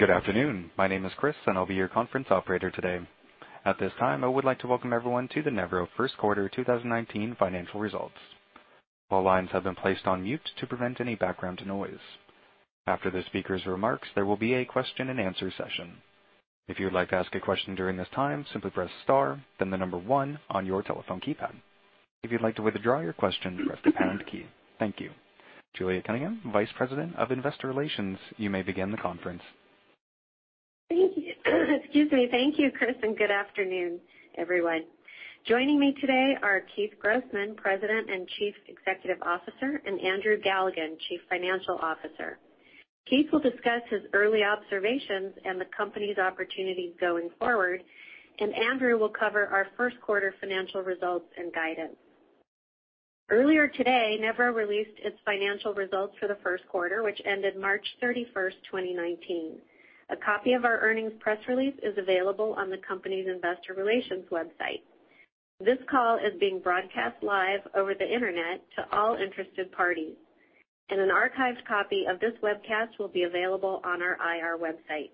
Good afternoon. My name is Chris, I'll be your conference operator today. At this time, I would like to welcome everyone to the Nevro First Quarter 2019 financial results. All lines have been placed on mute to prevent any background noise. After the speaker's remarks, there will be a question and answer session. If you would like to ask a question during this time, simply press star, then the number one on your telephone keypad. If you'd like to withdraw your question, press the pound key. Thank you. Juliet Cunningham, Vice President of Investor Relations, you may begin the conference. Excuse me. Thank you, Chris, good afternoon, everyone. Joining me today are Keith Grossman, President and Chief Executive Officer, Andrew Galligan, Chief Financial Officer. Keith will discuss his early observations and the company's opportunities going forward, Andrew will cover our first quarter financial results and guidance. Earlier today, Nevro released its financial results for the first quarter, which ended March 31st, 2019. A copy of our earnings press release is available on the company's investor relations website. This call is being broadcast live over the internet to all interested parties, an archived copy of this webcast will be available on our IR website.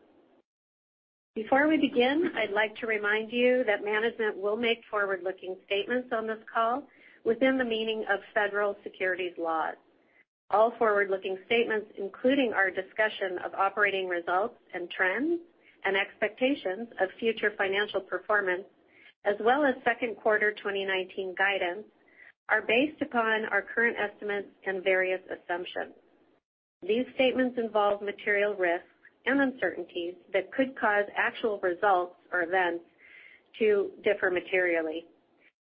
Before we begin, I'd like to remind you that management will make forward-looking statements on this call within the meaning of federal securities laws. All forward-looking statements, including our discussion of operating results and trends and expectations of future financial performance, as well as second quarter 2019 guidance, are based upon our current estimates and various assumptions. These statements involve material risks and uncertainties that could cause actual results or events to differ materially.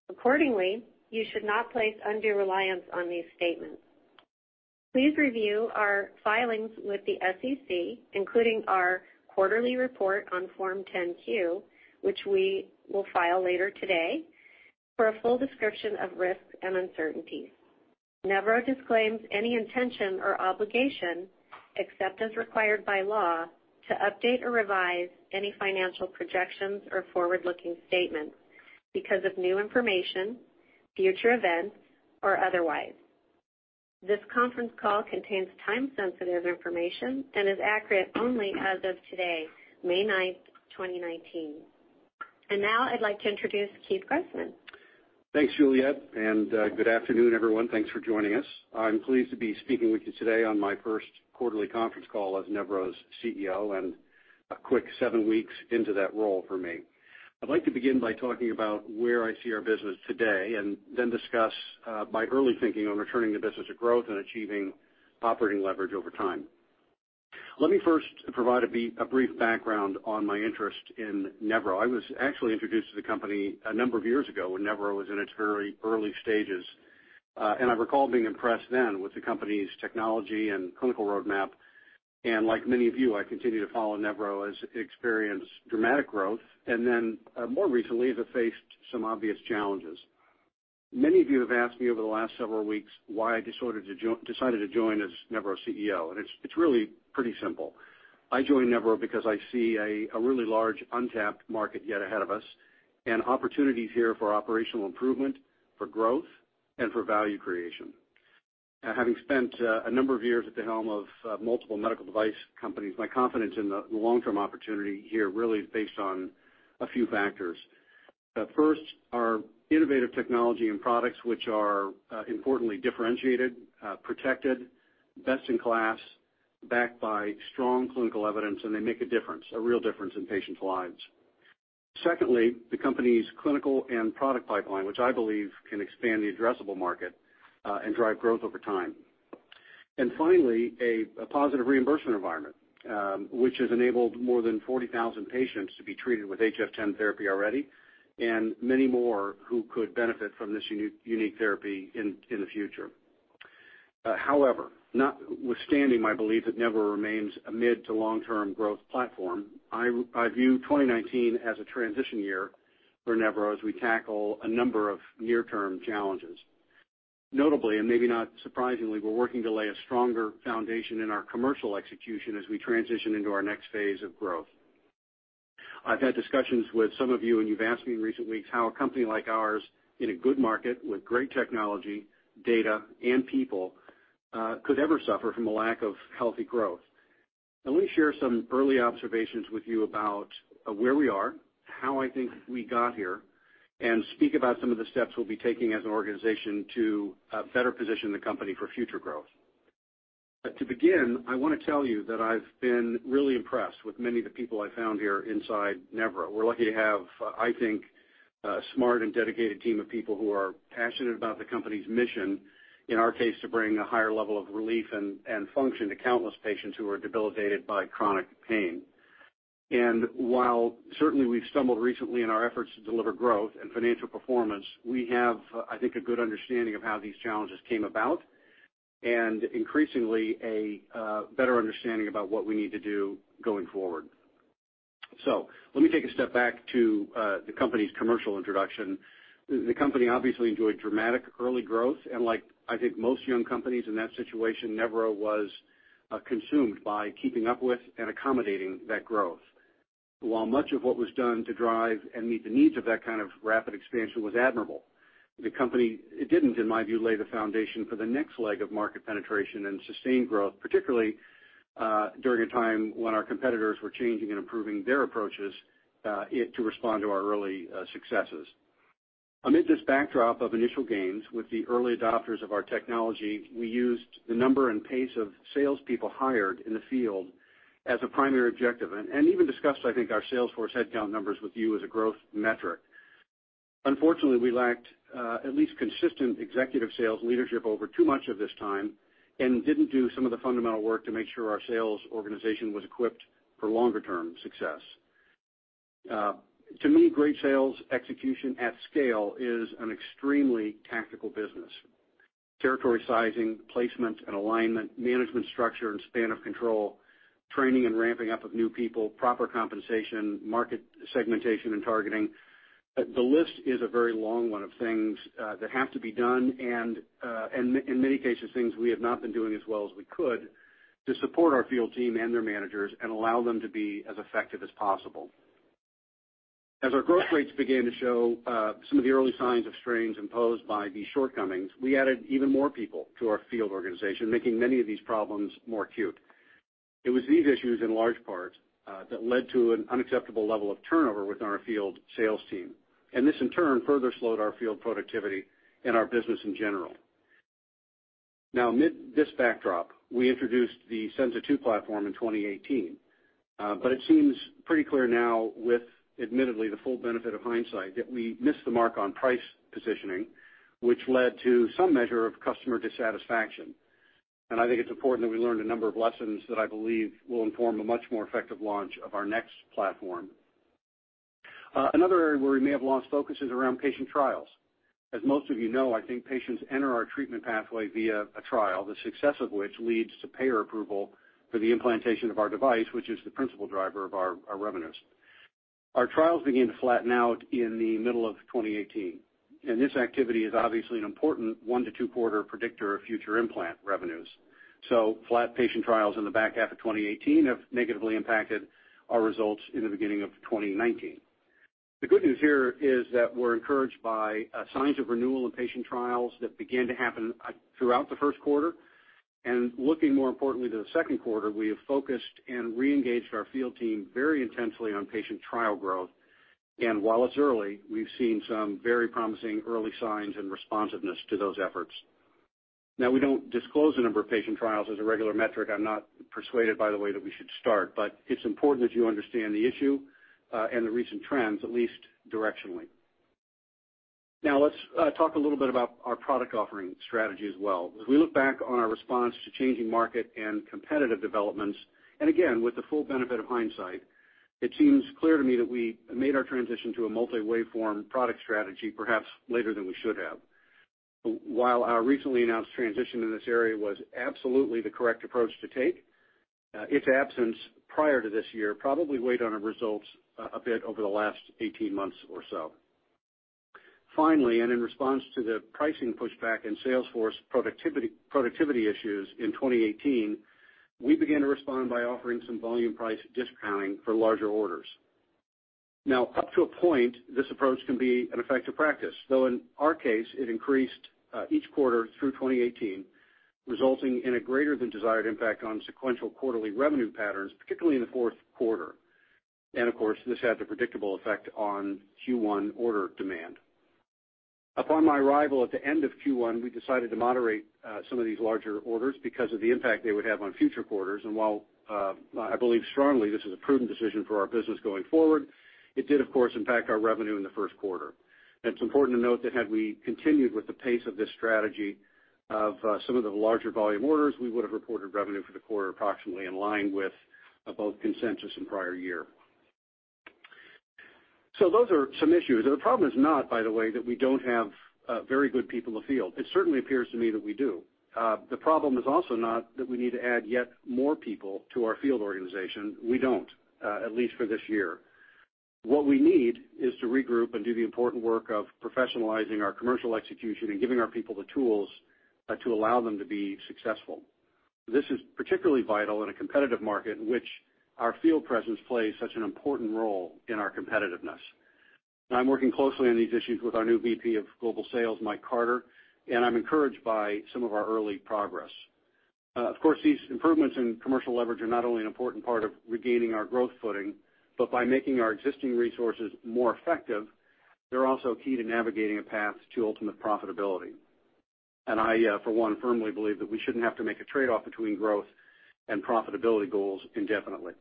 Accordingly, you should not place undue reliance on these statements. Please review our filings with the SEC, including our quarterly report on Form 10-Q, which we will file later today, for a full description of risks and uncertainties. Nevro disclaims any intention or obligation, except as required by law, to update or revise any financial projections or forward-looking statements because of new information, future events, or otherwise. This conference call contains time-sensitive information is accurate only as of today, May 9th, 2019. Now I'd like to introduce Keith Grossman. Thanks, Juliet, good afternoon, everyone. Thanks for joining us. I'm pleased to be speaking with you today on my first quarterly conference call as Nevro's CEO a quick seven weeks into that role for me. I'd like to begin by talking about where I see our business today, discuss my early thinking on returning the business to growth achieving operating leverage over time. Let me first provide a brief background on my interest in Nevro. I was actually introduced to the company a number of years ago when Nevro was in its very early stages. I recall being impressed then with the company's technology clinical roadmap. Like many of you, I continue to follow Nevro as it experienced dramatic growth, more recently, as it faced some obvious challenges. Many of you have asked me over the last several weeks why I decided to join as Nevro CEO. It's really pretty simple. I joined Nevro because I see a really large untapped market yet ahead of us, and opportunities here for operational improvement, for growth, and for value creation. Having spent a number of years at the helm of multiple medical device companies, my confidence in the long-term opportunity here really is based on a few factors. First, our innovative technology and products, which are importantly differentiated, protected, best in class, backed by strong clinical evidence, and they make a difference, a real difference in patients' lives. Secondly, the company's clinical and product pipeline, which I believe can expand the addressable market and drive growth over time. Finally, a positive reimbursement environment, which has enabled more than 40,000 patients to be treated with HF10 therapy already, and many more who could benefit from this unique therapy in the future. However, notwithstanding my belief that Nevro remains a mid to long-term growth platform, I view 2019 as a transition year for Nevro as we tackle a number of near-term challenges. Notably, and maybe not surprisingly, we're working to lay a stronger foundation in our commercial execution as we transition into our next phase of growth. I've had discussions with some of you, and you've asked me in recent weeks how a company like ours in a good market with great technology, data, and people could ever suffer from a lack of healthy growth. Let me share some early observations with you about where we are, how I think we got here, and speak about some of the steps we'll be taking as an organization to better position the company for future growth. To begin, I want to tell you that I've been really impressed with many of the people I found here inside Nevro. We're lucky to have, I think, a smart and dedicated team of people who are passionate about the company's mission, in our case, to bring a higher level of relief and function to countless patients who are debilitated by chronic pain. While certainly we've stumbled recently in our efforts to deliver growth and financial performance, we have, I think, a good understanding of how these challenges came about, and increasingly, a better understanding about what we need to do going forward. Let me take a step back to the company's commercial introduction. The company obviously enjoyed dramatic early growth, and like I think most young companies in that situation, Nevro was consumed by keeping up with and accommodating that growth. While much of what was done to drive and meet the needs of that kind of rapid expansion was admirable, the company didn't, in my view, lay the foundation for the next leg of market penetration and sustained growth, particularly during a time when our competitors were changing and improving their approaches to respond to our early successes. Amid this backdrop of initial gains with the early adopters of our technology, we used the number and pace of salespeople hired in the field as a primary objective, and even discussed, I think, our sales force headcount numbers with you as a growth metric. Unfortunately, we lacked at least consistent executive sales leadership over too much of this time and didn't do some of the fundamental work to make sure our sales organization was equipped for longer-term success. To me, great sales execution at scale is an extremely tactical business. Territory sizing, placement, and alignment, management structure and span of control, training and ramping up of new people, proper compensation, market segmentation and targeting. The list is a very long one of things that have to be done and in many cases, things we have not been doing as well as we could to support our field team and their managers and allow them to be as effective as possible. As our growth rates began to show some of the early signs of strains imposed by these shortcomings, we added even more people to our field organization, making many of these problems more acute. It was these issues in large part that led to an unacceptable level of turnover within our field sales team, and this in turn further slowed our field productivity and our business in general. Amid this backdrop, we introduced the Senza II platform in 2018. It seems pretty clear now with, admittedly, the full benefit of hindsight, that we missed the mark on price positioning, which led to some measure of customer dissatisfaction. I think it's important that we learned a number of lessons that I believe will inform a much more effective launch of our next platform. Another area where we may have lost focus is around patient trials. As most of you know, I think patients enter our treatment pathway via a trial, the success of which leads to payer approval for the implantation of our device, which is the principal driver of our revenues. Our trials began to flatten out in the middle of 2018. This activity is obviously an important one to two quarter predictor of future implant revenues. Flat patient trials in the back half of 2018 have negatively impacted our results in the beginning of 2019. The good news here is that we're encouraged by signs of renewal in patient trials that began to happen throughout the first quarter. Looking more importantly to the second quarter, we have focused and reengaged our field team very intensely on patient trial growth. While it's early, we've seen some very promising early signs and responsiveness to those efforts. We don't disclose the number of patient trials as a regular metric. I'm not persuaded, by the way, that we should start, but it's important that you understand the issue and the recent trends, at least directionally. Let's talk a little bit about our product offering strategy as well. As we look back on our response to changing market and competitive developments, and again, with the full benefit of hindsight, it seems clear to me that we made our transition to a multi-waveform product strategy perhaps later than we should have. While our recently announced transition in this area was absolutely the correct approach to take, its absence prior to this year probably weighed on our results a bit over the last 18 months or so. Finally, in response to the pricing pushback and sales force productivity issues in 2018, we began to respond by offering some volume price discounting for larger orders. Up to a point, this approach can be an effective practice, though in our case, it increased each quarter through 2018, resulting in a greater than desired impact on sequential quarterly revenue patterns, particularly in the fourth quarter. Of course, this had the predictable effect on Q1 order demand. Upon my arrival at the end of Q1, we decided to moderate some of these larger orders because of the impact they would have on future quarters. While I believe strongly this is a prudent decision for our business going forward, it did, of course, impact our revenue in the first quarter. It's important to note that had we continued with the pace of this strategy of some of the larger volume orders, we would have reported revenue for the quarter approximately in line with both consensus and prior year. Those are some issues. The problem is not, by the way, that we don't have very good people afield. It certainly appears to me that we do. The problem is also not that we need to add yet more people to our field organization. We don't, at least for this year. What we need is to regroup and do the important work of professionalizing our commercial execution and giving our people the tools to allow them to be successful. This is particularly vital in a competitive market in which our field presence plays such an important role in our competitiveness. I'm working closely on these issues with our new VP of global sales, Michael Carter, and I'm encouraged by some of our early progress. Of course, these improvements in commercial leverage are not only an important part of regaining our growth footing, but by making our existing resources more effective, they're also key to navigating a path to ultimate profitability. I, for one, firmly believe that we shouldn't have to make a trade-off between growth and profitability goals indefinitely.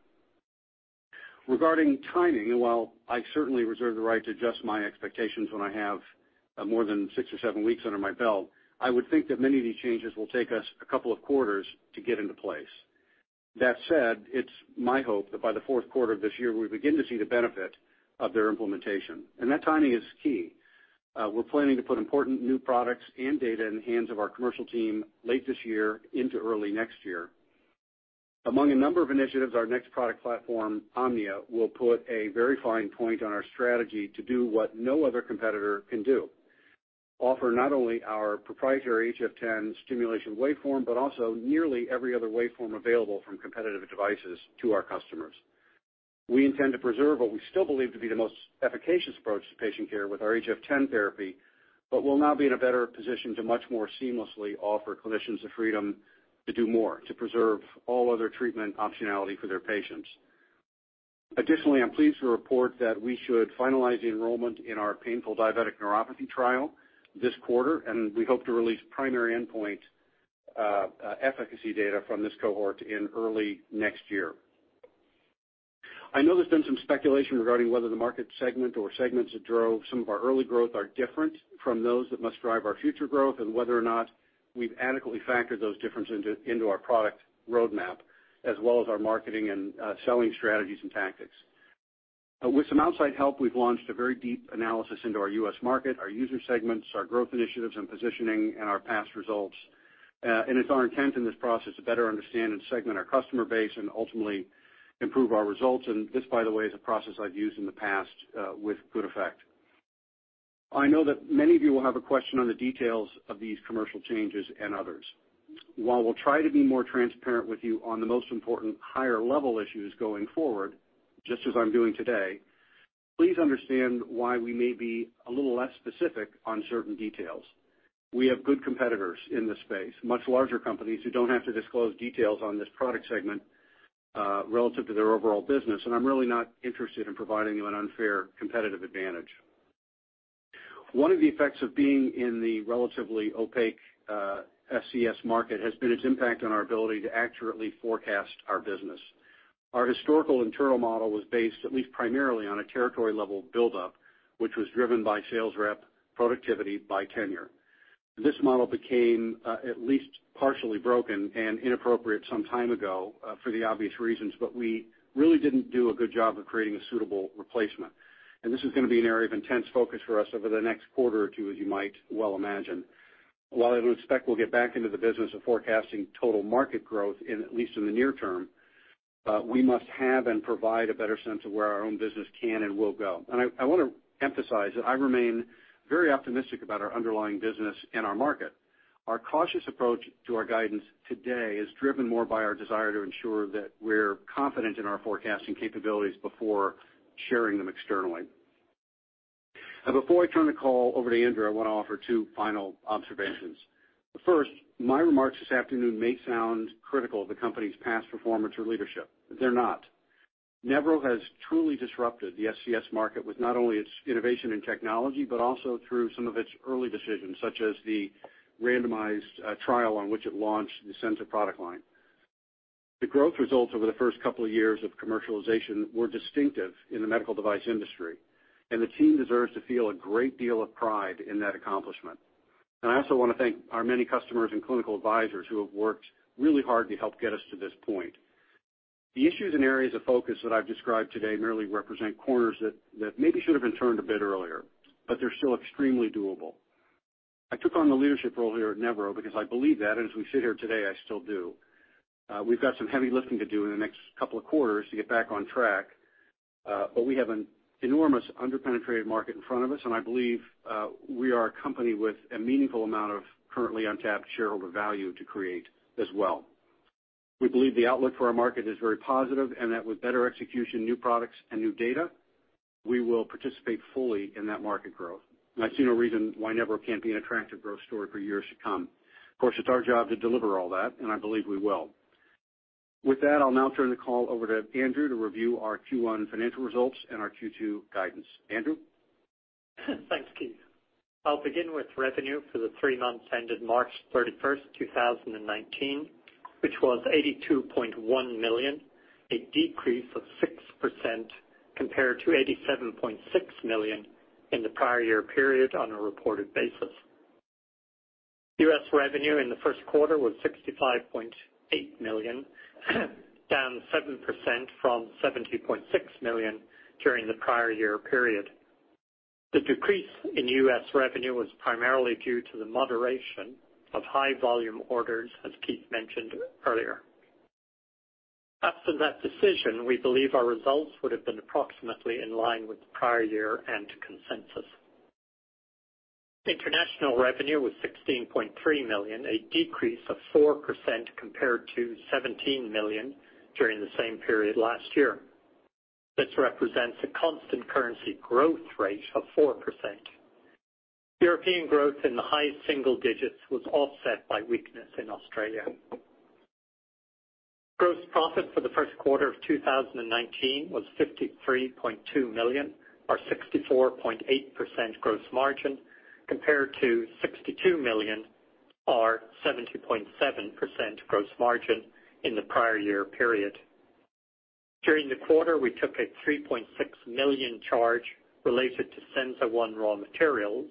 Regarding timing, while I certainly reserve the right to adjust my expectations when I have more than six or seven weeks under my belt, I would think that many of these changes will take us a couple of quarters to get into place. That said, it's my hope that by the fourth quarter of this year, we begin to see the benefit of their implementation, and that timing is key. We're planning to put important new products and data in the hands of our commercial team late this year into early next year. Among a number of initiatives, our next product platform, Omnia, will put a very fine point on our strategy to do what no other competitor can do. Offer not only our proprietary HF10 stimulation waveform, but also nearly every other waveform available from competitive devices to our customers. We intend to preserve what we still believe to be the most efficacious approach to patient care with our HF10 therapy, but we'll now be in a better position to much more seamlessly offer clinicians the freedom to do more to preserve all other treatment optionality for their patients. Additionally, I'm pleased to report that we should finalize the enrollment in our painful diabetic neuropathy trial this quarter, and we hope to release primary endpoint efficacy data from this cohort in early next year. I know there's been some speculation regarding whether the market segment or segments that drove some of our early growth are different from those that must drive our future growth, and whether or not we've adequately factored those differences into our product roadmap as well as our marketing and selling strategies and tactics. With some outside help, we've launched a very deep analysis into our U.S. market, our user segments, our growth initiatives and positioning, and our past results. It's our intent in this process to better understand and segment our customer base and ultimately improve our results. This, by the way, is a process I've used in the past with good effect. I know that many of you will have a question on the details of these commercial changes and others. While we'll try to be more transparent with you on the most important higher-level issues going forward, just as I'm doing today, please understand why we may be a little less specific on certain details. We have good competitors in this space, much larger companies who don't have to disclose details on this product segment, relative to their overall business, I'm really not interested in providing them an unfair competitive advantage. One of the effects of being in the relatively opaque SCS market has been its impact on our ability to accurately forecast our business. Our historical internal model was based at least primarily on a territory-level buildup, which was driven by sales rep productivity by tenure. This model became at least partially broken and inappropriate some time ago for the obvious reasons, we really didn't do a good job of creating a suitable replacement. This is going to be an area of intense focus for us over the next quarter or two, as you might well imagine. While I would expect we'll get back into the business of forecasting total market growth in at least in the near term, we must have and provide a better sense of where our own business can and will go. I want to emphasize that I remain very optimistic about our underlying business and our market. Our cautious approach to our guidance today is driven more by our desire to ensure that we're confident in our forecasting capabilities before sharing them externally. Before I turn the call over to Andrew, I want to offer two final observations. First, my remarks this afternoon may sound critical of the company's past performance or leadership. They're not. Nevro has truly disrupted the SCS market with not only its innovation in technology, but also through some of its early decisions, such as the randomized trial on which it launched the Senza product line. The growth results over the first couple of years of commercialization were distinctive in the medical device industry, the team deserves to feel a great deal of pride in that accomplishment. I also want to thank our many customers and clinical advisors who have worked really hard to help get us to this point. The issues and areas of focus that I've described today merely represent corners that maybe should have been turned a bit earlier, they're still extremely doable. I took on the leadership role here at Nevro because I believe that, as we sit here today, I still do. We've got some heavy lifting to do in the next couple of quarters to get back on track. We have an enormous under-penetrated market in front of us, and I believe we are a company with a meaningful amount of currently untapped shareholder value to create as well. We believe the outlook for our market is very positive and that with better execution, new products and new data, we will participate fully in that market growth. I see no reason why Nevro can't be an attractive growth story for years to come. Of course, it's our job to deliver all that, and I believe we will. With that, I'll now turn the call over to Andrew to review our Q1 financial results and our Q2 guidance. Andrew? Thanks, Keith. I'll begin with revenue for the three months ended March 31st, 2019, which was $82.1 million, a decrease of 6% compared to $87.6 million in the prior year period on a reported basis. U.S. revenue in the first quarter was $65.8 million, down 7% from $70.6 million during the prior year period. The decrease in U.S. revenue was primarily due to the moderation of high volume orders, as Keith mentioned earlier. Absent that decision, we believe our results would have been approximately in line with prior year and consensus. International revenue was $16.3 million, a decrease of 4% compared to $17 million during the same period last year. This represents a constant currency growth rate of 4%. European growth in the high single digits was offset by weakness in Australia. Gross profit for the first quarter of 2019 was $53.2 million, or 64.8% gross margin, compared to $62 million or 70.7% gross margin in the prior year period. During the quarter, we took a $3.6 million charge related to Senza I raw materials,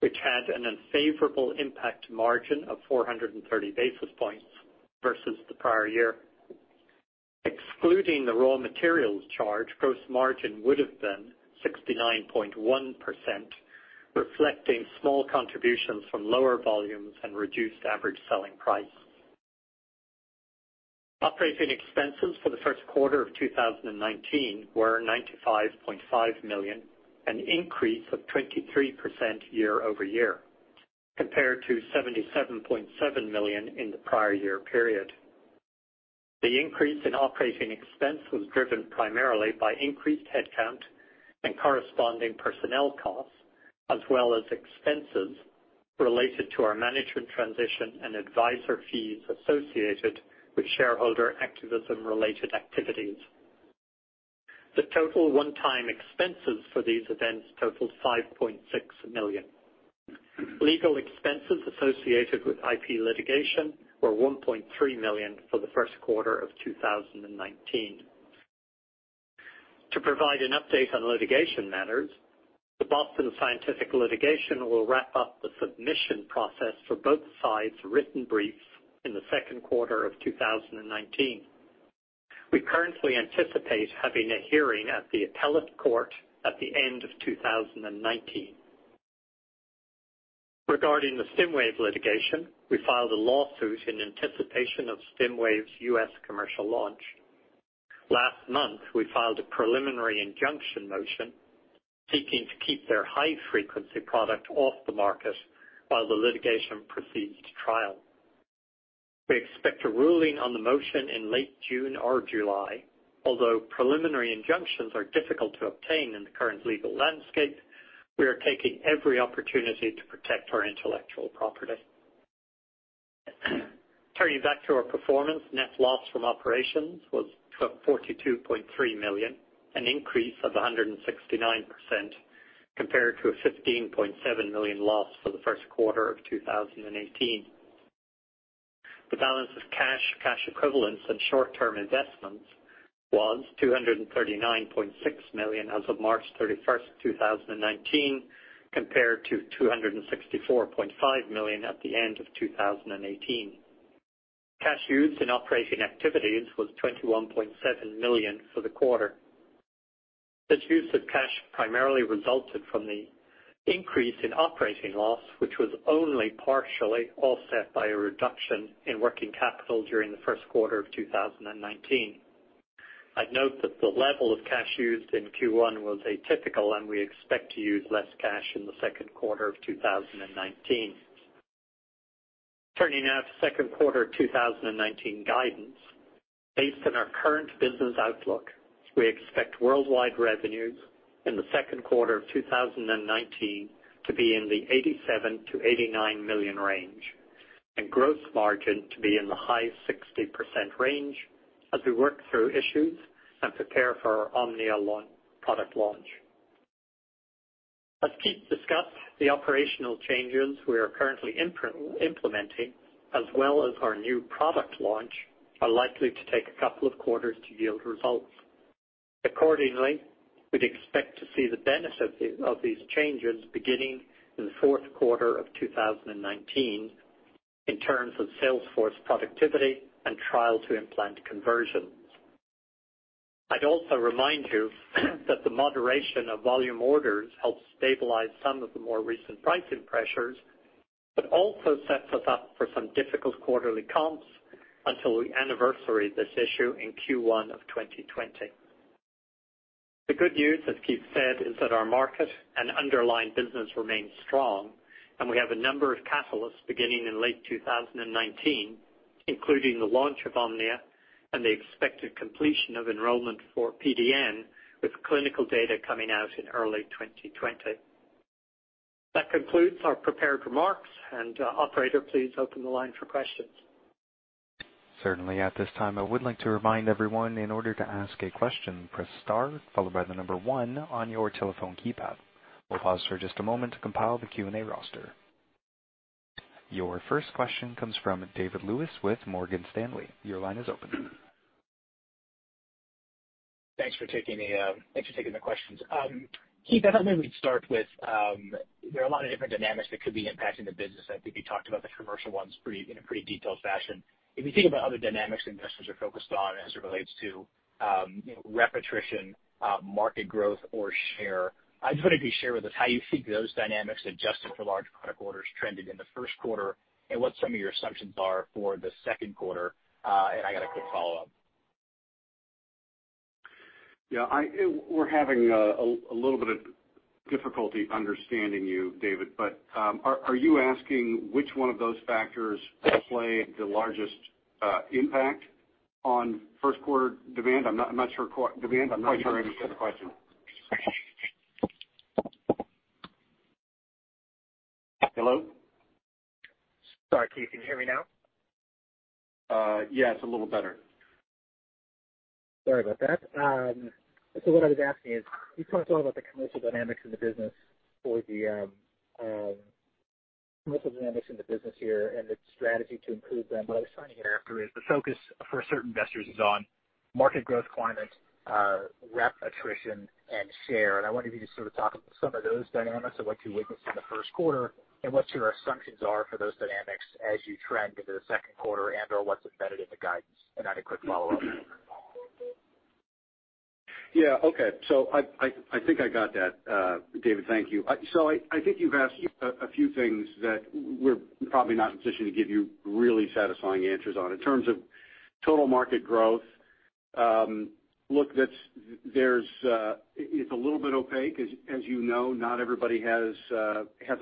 which had an unfavorable impact margin of 430 basis points versus the prior year. Excluding the raw materials charge, gross margin would've been 69.1%, reflecting small contributions from lower volumes and reduced average selling price. Operating expenses for the first quarter of 2019 were $95.5 million, an increase of 23% year-over-year, compared to $77.7 million in the prior year period. The increase in operating expense was driven primarily by increased headcount and corresponding personnel costs, as well as expenses related to our management transition and advisor fees associated with shareholder activism related activities. The total one-time expenses for these events totaled $5.6 million. Legal expenses associated with IP litigation were $1.3 million for the first quarter of 2019. To provide an update on litigation matters, the Boston Scientific litigation will wrap up the submission process for both sides' written briefs in the second quarter of 2019. We currently anticipate having a hearing at the appellate court at the end of 2019. Regarding the Stimwave litigation, we filed a lawsuit in anticipation of Stimwave's U.S. commercial launch. Last month, we filed a preliminary injunction motion seeking to keep their high-frequency product off the market while the litigation proceeds to trial. We expect a ruling on the motion in late June or July. Although preliminary injunctions are difficult to obtain in the current legal landscape, we are taking every opportunity to protect our intellectual property. Turning back to our performance, net loss from operations was $42.3 million, an increase of 169%, compared to a $15.7 million loss for the first quarter of 2018. The balance of cash equivalents, and short-term investments was $239.6 million as of March 31st, 2019, compared to $264.5 million at the end of 2018. Cash used in operating activities was $21.7 million for the quarter. Such use of cash primarily resulted from the increase in operating loss, which was only partially offset by a reduction in working capital during the first quarter of 2019. I'd note that the level of cash used in Q1 was atypical, and we expect to use less cash in the second quarter of 2019. Turning now to second quarter 2019 guidance. Based on our current business outlook, we expect worldwide revenues in the second quarter of 2019 to be in the $87 million-$89 million range, and gross margin to be in the high 60% range as we work through issues and prepare for our Omnia product launch. As Keith discussed, the operational changes we are currently implementing, as well as our new product launch, are likely to take a couple of quarters to yield results. Accordingly, we'd expect to see the benefit of these changes beginning in the fourth quarter of 2019 in terms of sales force productivity and trial to implant conversions. I'd also remind you that the moderation of volume orders helped stabilize some of the more recent pricing pressures, but also sets us up for some difficult quarterly comps until we anniversary this issue in Q1 of 2020. The good news, as Keith said, is that our market and underlying business remains strong, and we have a number of catalysts beginning in late 2019, including the launch of Omnia and the expected completion of enrollment for PDN, with clinical data coming out in early 2020. That concludes our prepared remarks. Operator, please open the line for questions. Certainly. At this time, I would like to remind everyone, in order to ask a question, press star followed by the number 1 on your telephone keypad. We'll pause for just a moment to compile the Q&A roster. Your first question comes from David Lewis with Morgan Stanley. Your line is open. Thanks for taking the questions. Keith, I thought maybe we'd start with, there are a lot of different dynamics that could be impacting the business. I think you talked about the commercial ones in a pretty detailed fashion. If you think about other dynamics investors are focused on as it relates to rep attrition, market growth, or share, I just wonder if you'd share with us how you think those dynamics, adjusted for large product orders, trended in the first quarter, and what some of your assumptions are for the second quarter. I got a quick follow-up. Yeah. We're having a little bit of difficulty understanding you, David. Are you asking which one of those factors play the largest impact on first quarter demand? I'm not sure I understand the question. Hello? Sorry, Keith. Can you hear me now? Yeah, it's a little better. Sorry about that. What I was asking is, you told us all about the commercial dynamics in the business here and the strategy to improve them. What I was trying to get after is the focus for certain investors is on market growth climate, rep attrition, and share, and I wonder if you could sort of talk about some of those dynamics of what you witnessed in the first quarter, and what your assumptions are for those dynamics as you trend into the second quarter and/or what's embedded in the guidance. I had a quick follow-up Yeah. Okay. I think I got that, David. Thank you. I think you've asked a few things that we're probably not in a position to give you really satisfying answers on. In terms of total market growth, look, it's a little bit opaque. As you know, not everybody has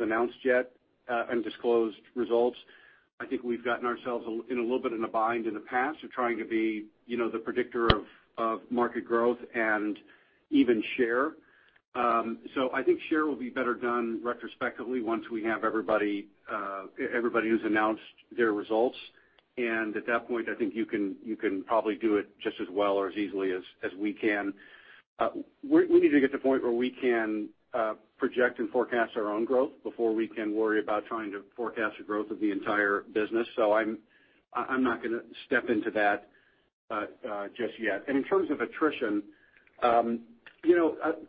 announced yet and disclosed results. I think we've gotten ourselves in a little bit in a bind in the past of trying to be the predictor of market growth and even share. I think share will be better done retrospectively once we have everybody who's announced their results. At that point, I think you can probably do it just as well or as easily as we can. We need to get to a point where we can project and forecast our own growth before we can worry about trying to forecast the growth of the entire business. I'm not going to step into that just yet. In terms of attrition,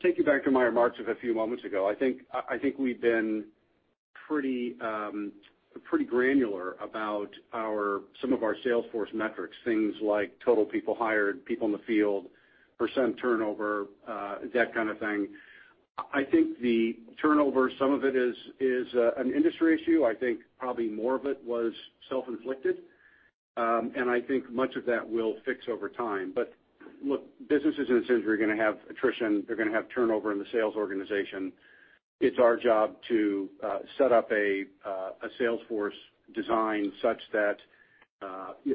take it back to my remarks of a few moments ago. I think we've been pretty granular about some of our sales force metrics, things like total people hired, people in the field, percent turnover, that kind of thing. I think the turnover, some of it is an industry issue. I think probably more of it was self-inflicted. I think much of that will fix over time. Look, businesses in a sense, we're going to have attrition. They're going to have turnover in the sales organization. It's our job to set up a sales force design such that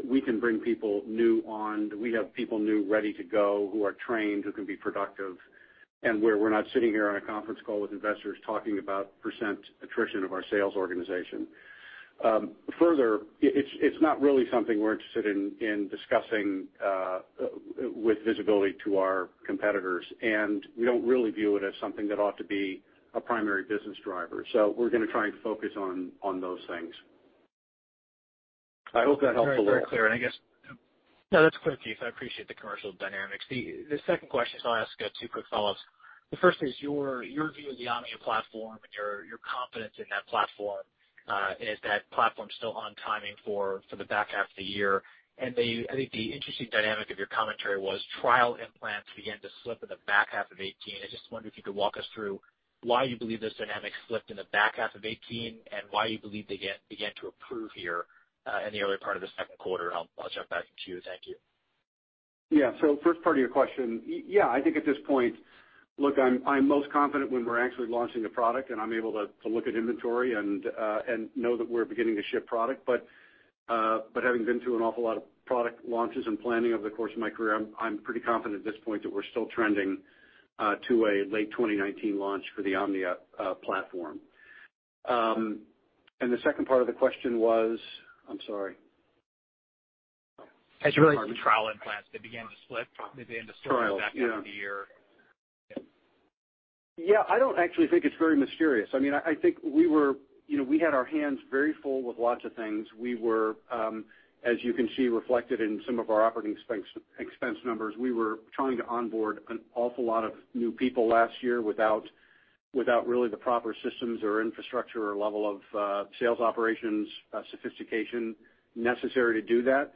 we can bring people new on, that we have people new ready to go, who are trained, who can be productive, and where we're not sitting here on a conference call with investors talking about percent attrition of our sales organization. Further, it's not really something we're interested in discussing with visibility to our competitors, we don't really view it as something that ought to be a primary business driver. We're going to try and focus on those things. I hope that helped a little. Very clear. No, that's clear, Keith. I appreciate the commercial dynamics. I'll ask two quick follow-ups. The first is your view of the Omnia platform and your confidence in that platform. Is that platform still on timing for the back half of the year? I think the interesting dynamic of your commentary was trial implants began to slip in the back half of 2018. I just wondered if you could walk us through why you believe those dynamics slipped in the back half of 2018 and why you believe they began to improve here in the early part of the second quarter, and I'll jump back to Q. Thank you. Yeah. First part of your question, yeah, I think at this point, look, I'm most confident when we're actually launching a product and I'm able to look at inventory and know that we're beginning to ship product. Having been through an awful lot of product launches and planning over the course of my career, I'm pretty confident at this point that we're still trending to a late 2019 launch for the Omnia platform. The second part of the question was? I'm sorry. As you relate to trial implants, they began to slip- Trials, yeah probably at the end of the second half of the year. Yeah. Yeah, I don't actually think it's very mysterious. I think we had our hands very full with lots of things. We were, as you can see reflected in some of our operating expense numbers, we were trying to onboard an awful lot of new people last year without really the proper systems or infrastructure or level of sales operations sophistication necessary to do that.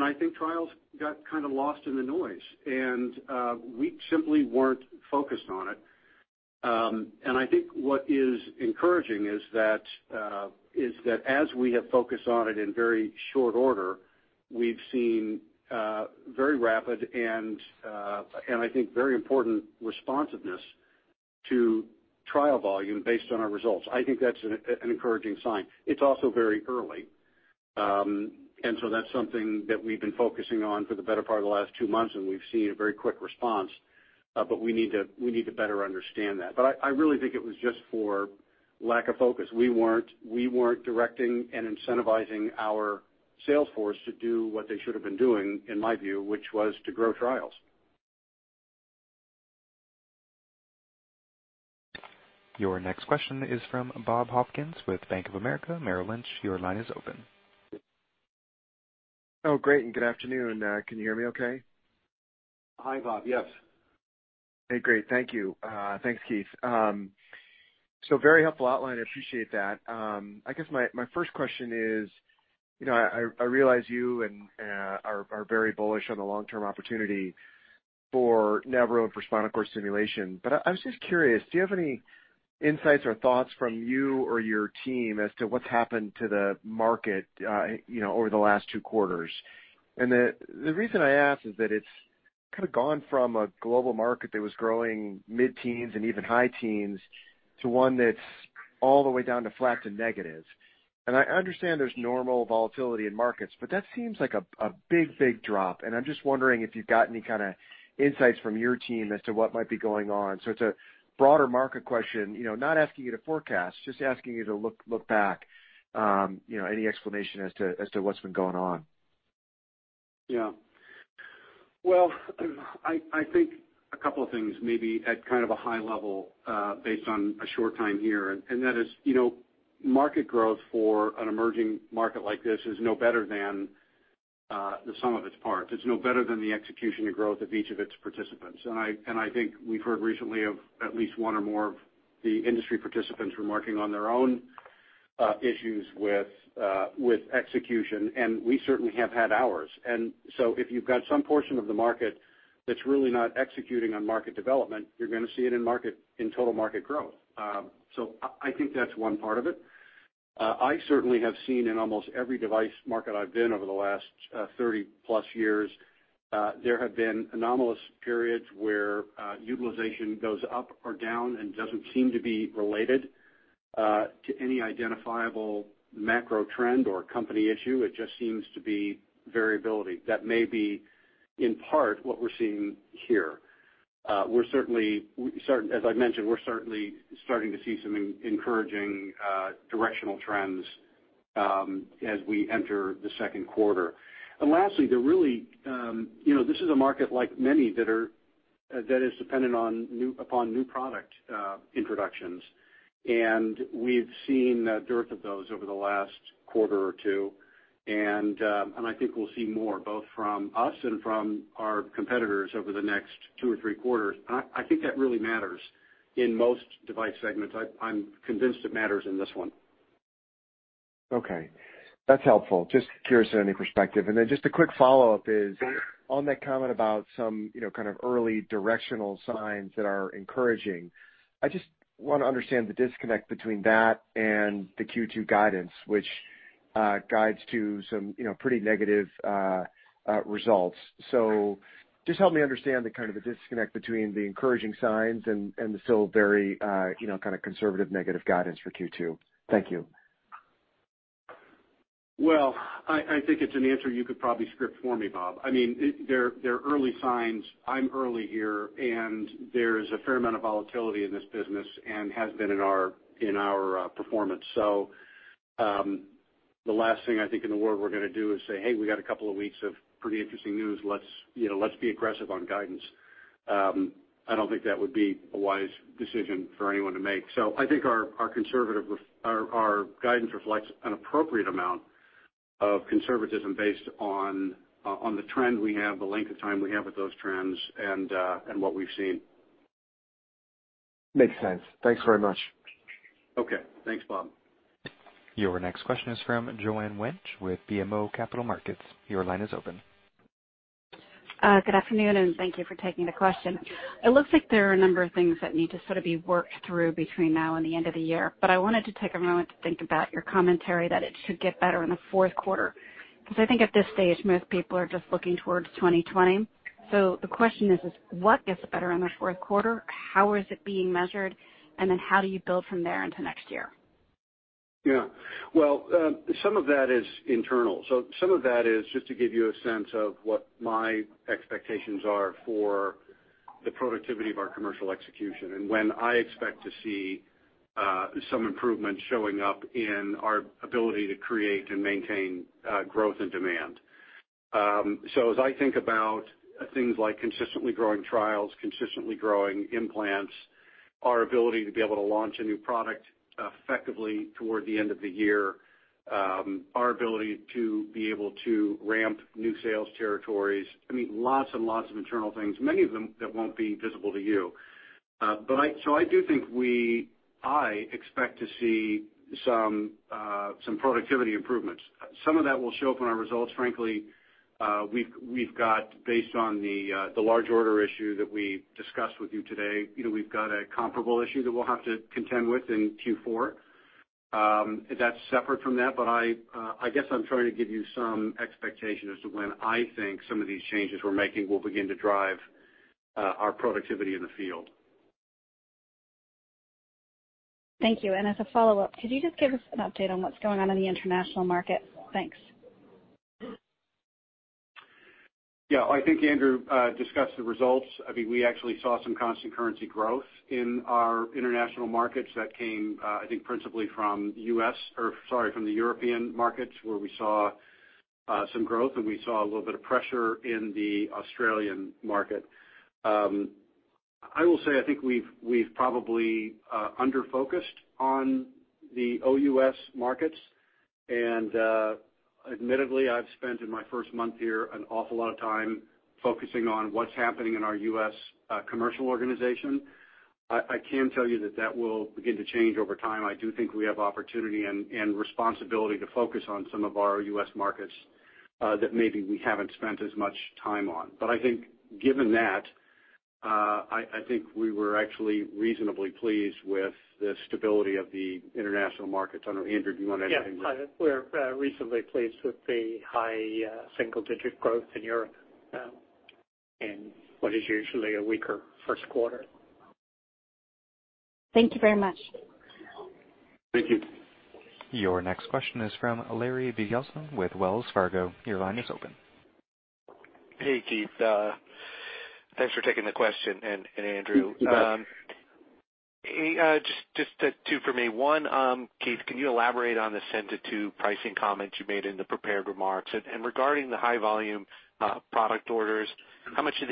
I think trials got kind of lost in the noise, and we simply weren't focused on it. I think what is encouraging is that as we have focused on it in very short order, we've seen very rapid and I think very important responsiveness to trial volume based on our results. I think that's an encouraging sign. It's also very early. That's something that we've been focusing on for the better part of the last two months, and we've seen a very quick response. We need to better understand that. I really think it was just for lack of focus. We weren't directing and incentivizing our sales force to do what they should have been doing, in my view, which was to grow trials. Your next question is from Bob Hopkins with Bank of America Merrill Lynch. Your line is open. Oh, great, good afternoon. Can you hear me okay? Hi, Bob. Yes. Hey, great. Thank you. Thanks, Keith. Very helpful outline. I appreciate that. I guess my first question is, I realize you are very bullish on the long-term opportunity for Nevro and for spinal cord stimulation. I was just curious, do you have any insights or thoughts from you or your team as to what's happened to the market over the last two quarters? The reason I ask is that it's kind of gone from a global market that was growing mid-teens and even high teens to one that's all the way down to flat to negatives. I understand there's normal volatility in markets, but that seems like a big drop. I'm just wondering if you've got any kind of insights from your team as to what might be going on. It's a broader market question, not asking you to forecast, just asking you to look back. Any explanation as to what's been going on? Well, I think a couple of things may be at kind of a high level based on a short time here, and that is market growth for an emerging market like this is no better than the sum of its parts. It's no better than the execution and growth of each of its participants. I think we've heard recently of at least one or more of the industry participants remarking on their own issues with execution, and we certainly have had ours. If you've got some portion of the market that's really not executing on market development, you're going to see it in total market growth. I think that's one part of it. I certainly have seen in almost every device market I've been over the last 30-plus years, there have been anomalous periods where utilization goes up or down and doesn't seem to be related to any identifiable macro trend or company issue. It just seems to be variability. That may be, in part, what we're seeing here. As I've mentioned, we're certainly starting to see some encouraging directional trends as we enter the second quarter. Lastly, this is a market like many that is dependent upon new product introductions, and we've seen a dearth of those over the last quarter or two, and I think we'll see more, both from us and from our competitors over the next two or three quarters. I'm convinced it matters in this one. Okay. That's helpful. Just curious on your perspective. Then just a quick follow-up is, on that comment about some kind of early directional signs that are encouraging, I just want to understand the disconnect between that and the Q2 guidance, which guides to some pretty negative results. Just help me understand the kind of a disconnect between the encouraging signs and the still very kind of conservative negative guidance for Q2. Thank you. Well, I think it's an answer you could probably script for me, Bob. They're early signs. I'm early here, and there's a fair amount of volatility in this business and has been in our performance. The last thing I think in the world we're going to do is say, "Hey, we got a couple of weeks of pretty interesting news. Let's be aggressive on guidance." I don't think that would be a wise decision for anyone to make. I think our guidance reflects an appropriate amount of conservatism based on the trend we have, the length of time we have with those trends, and what we've seen. Makes sense. Thanks very much. Okay. Thanks, Bob. Your next question is from Joanne Wuensch with BMO Capital Markets. Your line is open. Good afternoon, thank you for taking the question. It looks like there are a number of things that need to sort of be worked through between now and the end of the year. I wanted to take a moment to think about your commentary that it should get better in the fourth quarter, because I think at this stage, most people are just looking towards 2020. The question is, what gets better in the fourth quarter? How is it being measured? How do you build from there into next year? Yeah. Well, some of that is internal. Some of that is just to give you a sense of what my expectations are for the productivity of our commercial execution and when I expect to see some improvements showing up in our ability to create and maintain growth and demand. As I think about things like consistently growing trials, consistently growing implants, our ability to be able to launch a new product effectively toward the end of the year, our ability to be able to ramp new sales territories, lots and lots of internal things, many of them that won't be visible to you. I do think I expect to see some productivity improvements. Some of that will show up in our results. Frankly, based on the large order issue that we discussed with you today, we've got a comparable issue that we'll have to contend with in Q4. That's separate from that, I guess I'm trying to give you some expectation as to when I think some of these changes we're making will begin to drive our productivity in the field. Thank you. As a follow-up, could you just give us an update on what's going on in the international market? Thanks. Yeah. I think Andrew discussed the results. We actually saw some constant currency growth in our international markets that came I think principally from the European markets, where we saw some growth, and we saw a little bit of pressure in the Australian market. I will say, I think we've probably under-focused on the OUS markets, and admittedly, I've spent in my first month here an awful lot of time focusing on what's happening in our U.S. commercial organization. I can tell you that that will begin to change over time. I do think we have opportunity and responsibility to focus on some of our U.S. markets that maybe we haven't spent as much time on. I think given that, I think we were actually reasonably pleased with the stability of the international markets. I don't know, Andrew, do you want to add anything there? Yeah. We're reasonably pleased with the high single-digit growth in Europe in what is usually a weaker first quarter. Thank you very much. Thank you. Your next question is from Larry Biegelsen with Wells Fargo. Your line is open. Hey, Keith. Thanks for taking the question, and Andrew. You bet. Just two for me. One, Keith, can you elaborate on the Senza II pricing comment you made in the prepared remarks? Regarding the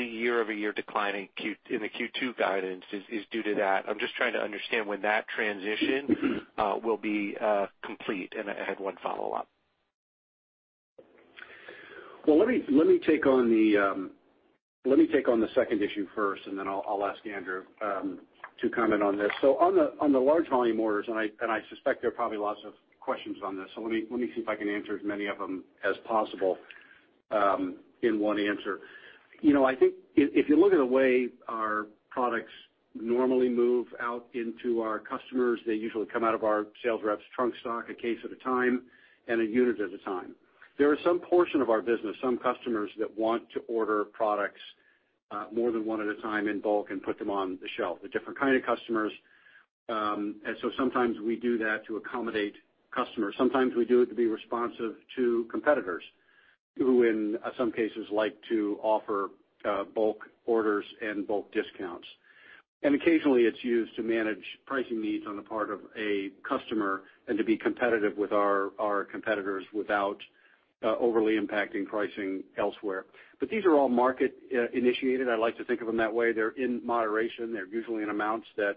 year-over-year decline in the Q2 guidance, how much of that is due to the high volume product orders? I am just trying to understand when that transition will be complete. I had one follow-up. Let me take on the second issue first, and then I will ask Andrew to comment on this. On the large volume orders, and I suspect there are probably lots of questions on this, so let me see if I can answer as many of them as possible in one answer. I think if you look at the way our products normally move out into our customers, they usually come out of our sales reps' trunk stock a case at a time and a unit at a time. There are some portion of our business, some customers that want to order products more than one at a time in bulk and put them on the shelf, the different kind of customers. Sometimes we do that to accommodate customers. Sometimes we do it to be responsive to competitors who, in some cases, like to offer bulk orders and bulk discounts. Occasionally, it's used to manage pricing needs on the part of a customer and to be competitive with our competitors without overly impacting pricing elsewhere. These are all market-initiated. I like to think of them that way. They're in moderation. They're usually in amounts that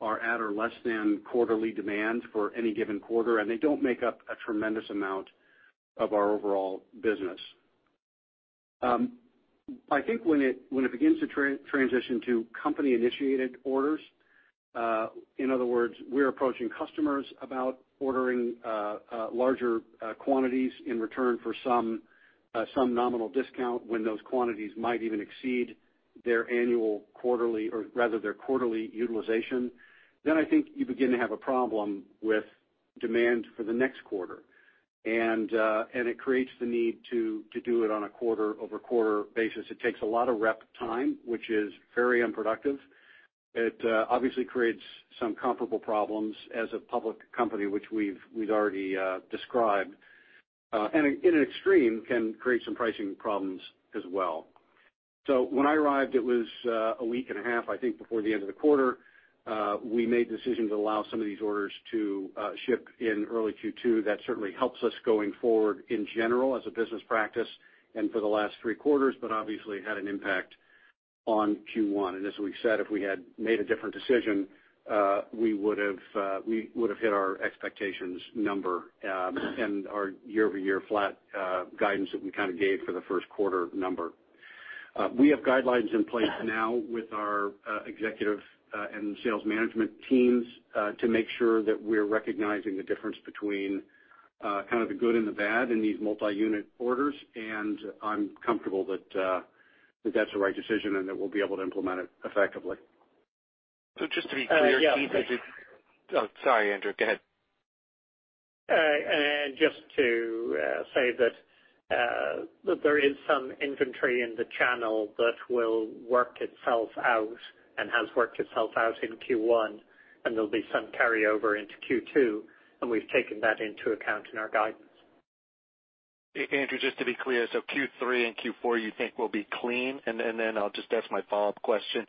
are at or less than quarterly demand for any given quarter, and they don't make up a tremendous amount of our overall business. I think when it begins to transition to company-initiated orders, in other words, we're approaching customers about ordering larger quantities in return for some nominal discount when those quantities might even exceed their annual quarterly or rather their quarterly utilization, then I think you begin to have a problem with demand for the next quarter. It creates the need to do it on a quarter-over-quarter basis. It takes a lot of rep time, which is very unproductive. It obviously creates some comparable problems as a public company, which we've already described, and in an extreme, can create some pricing problems as well. When I arrived, it was a week and a half, I think, before the end of the quarter. We made the decision to allow some of these orders to ship in early Q2. That certainly helps us going forward in general as a business practice and for the last three quarters, but obviously had an impact on Q1. As we said, if we had made a different decision, we would've hit our expectations number and our year-over-year flat guidance that we gave for the first quarter number. We have guidelines in place now with our executive and sales management teams to make sure that we're recognizing the difference between the good and the bad in these multi-unit orders. I'm comfortable that that's the right decision and that we'll be able to implement it effectively. Just to be clear, Keith, Yeah. Sorry, Andrew. Go ahead. Just to say that there is some inventory in the channel that will work itself out and has worked itself out in Q1, there'll be some carryover into Q2, and we've taken that into account in our guidance. Andrew, just to be clear, Q3 and Q4 you think will be clean? Then I'll just ask my follow-up question.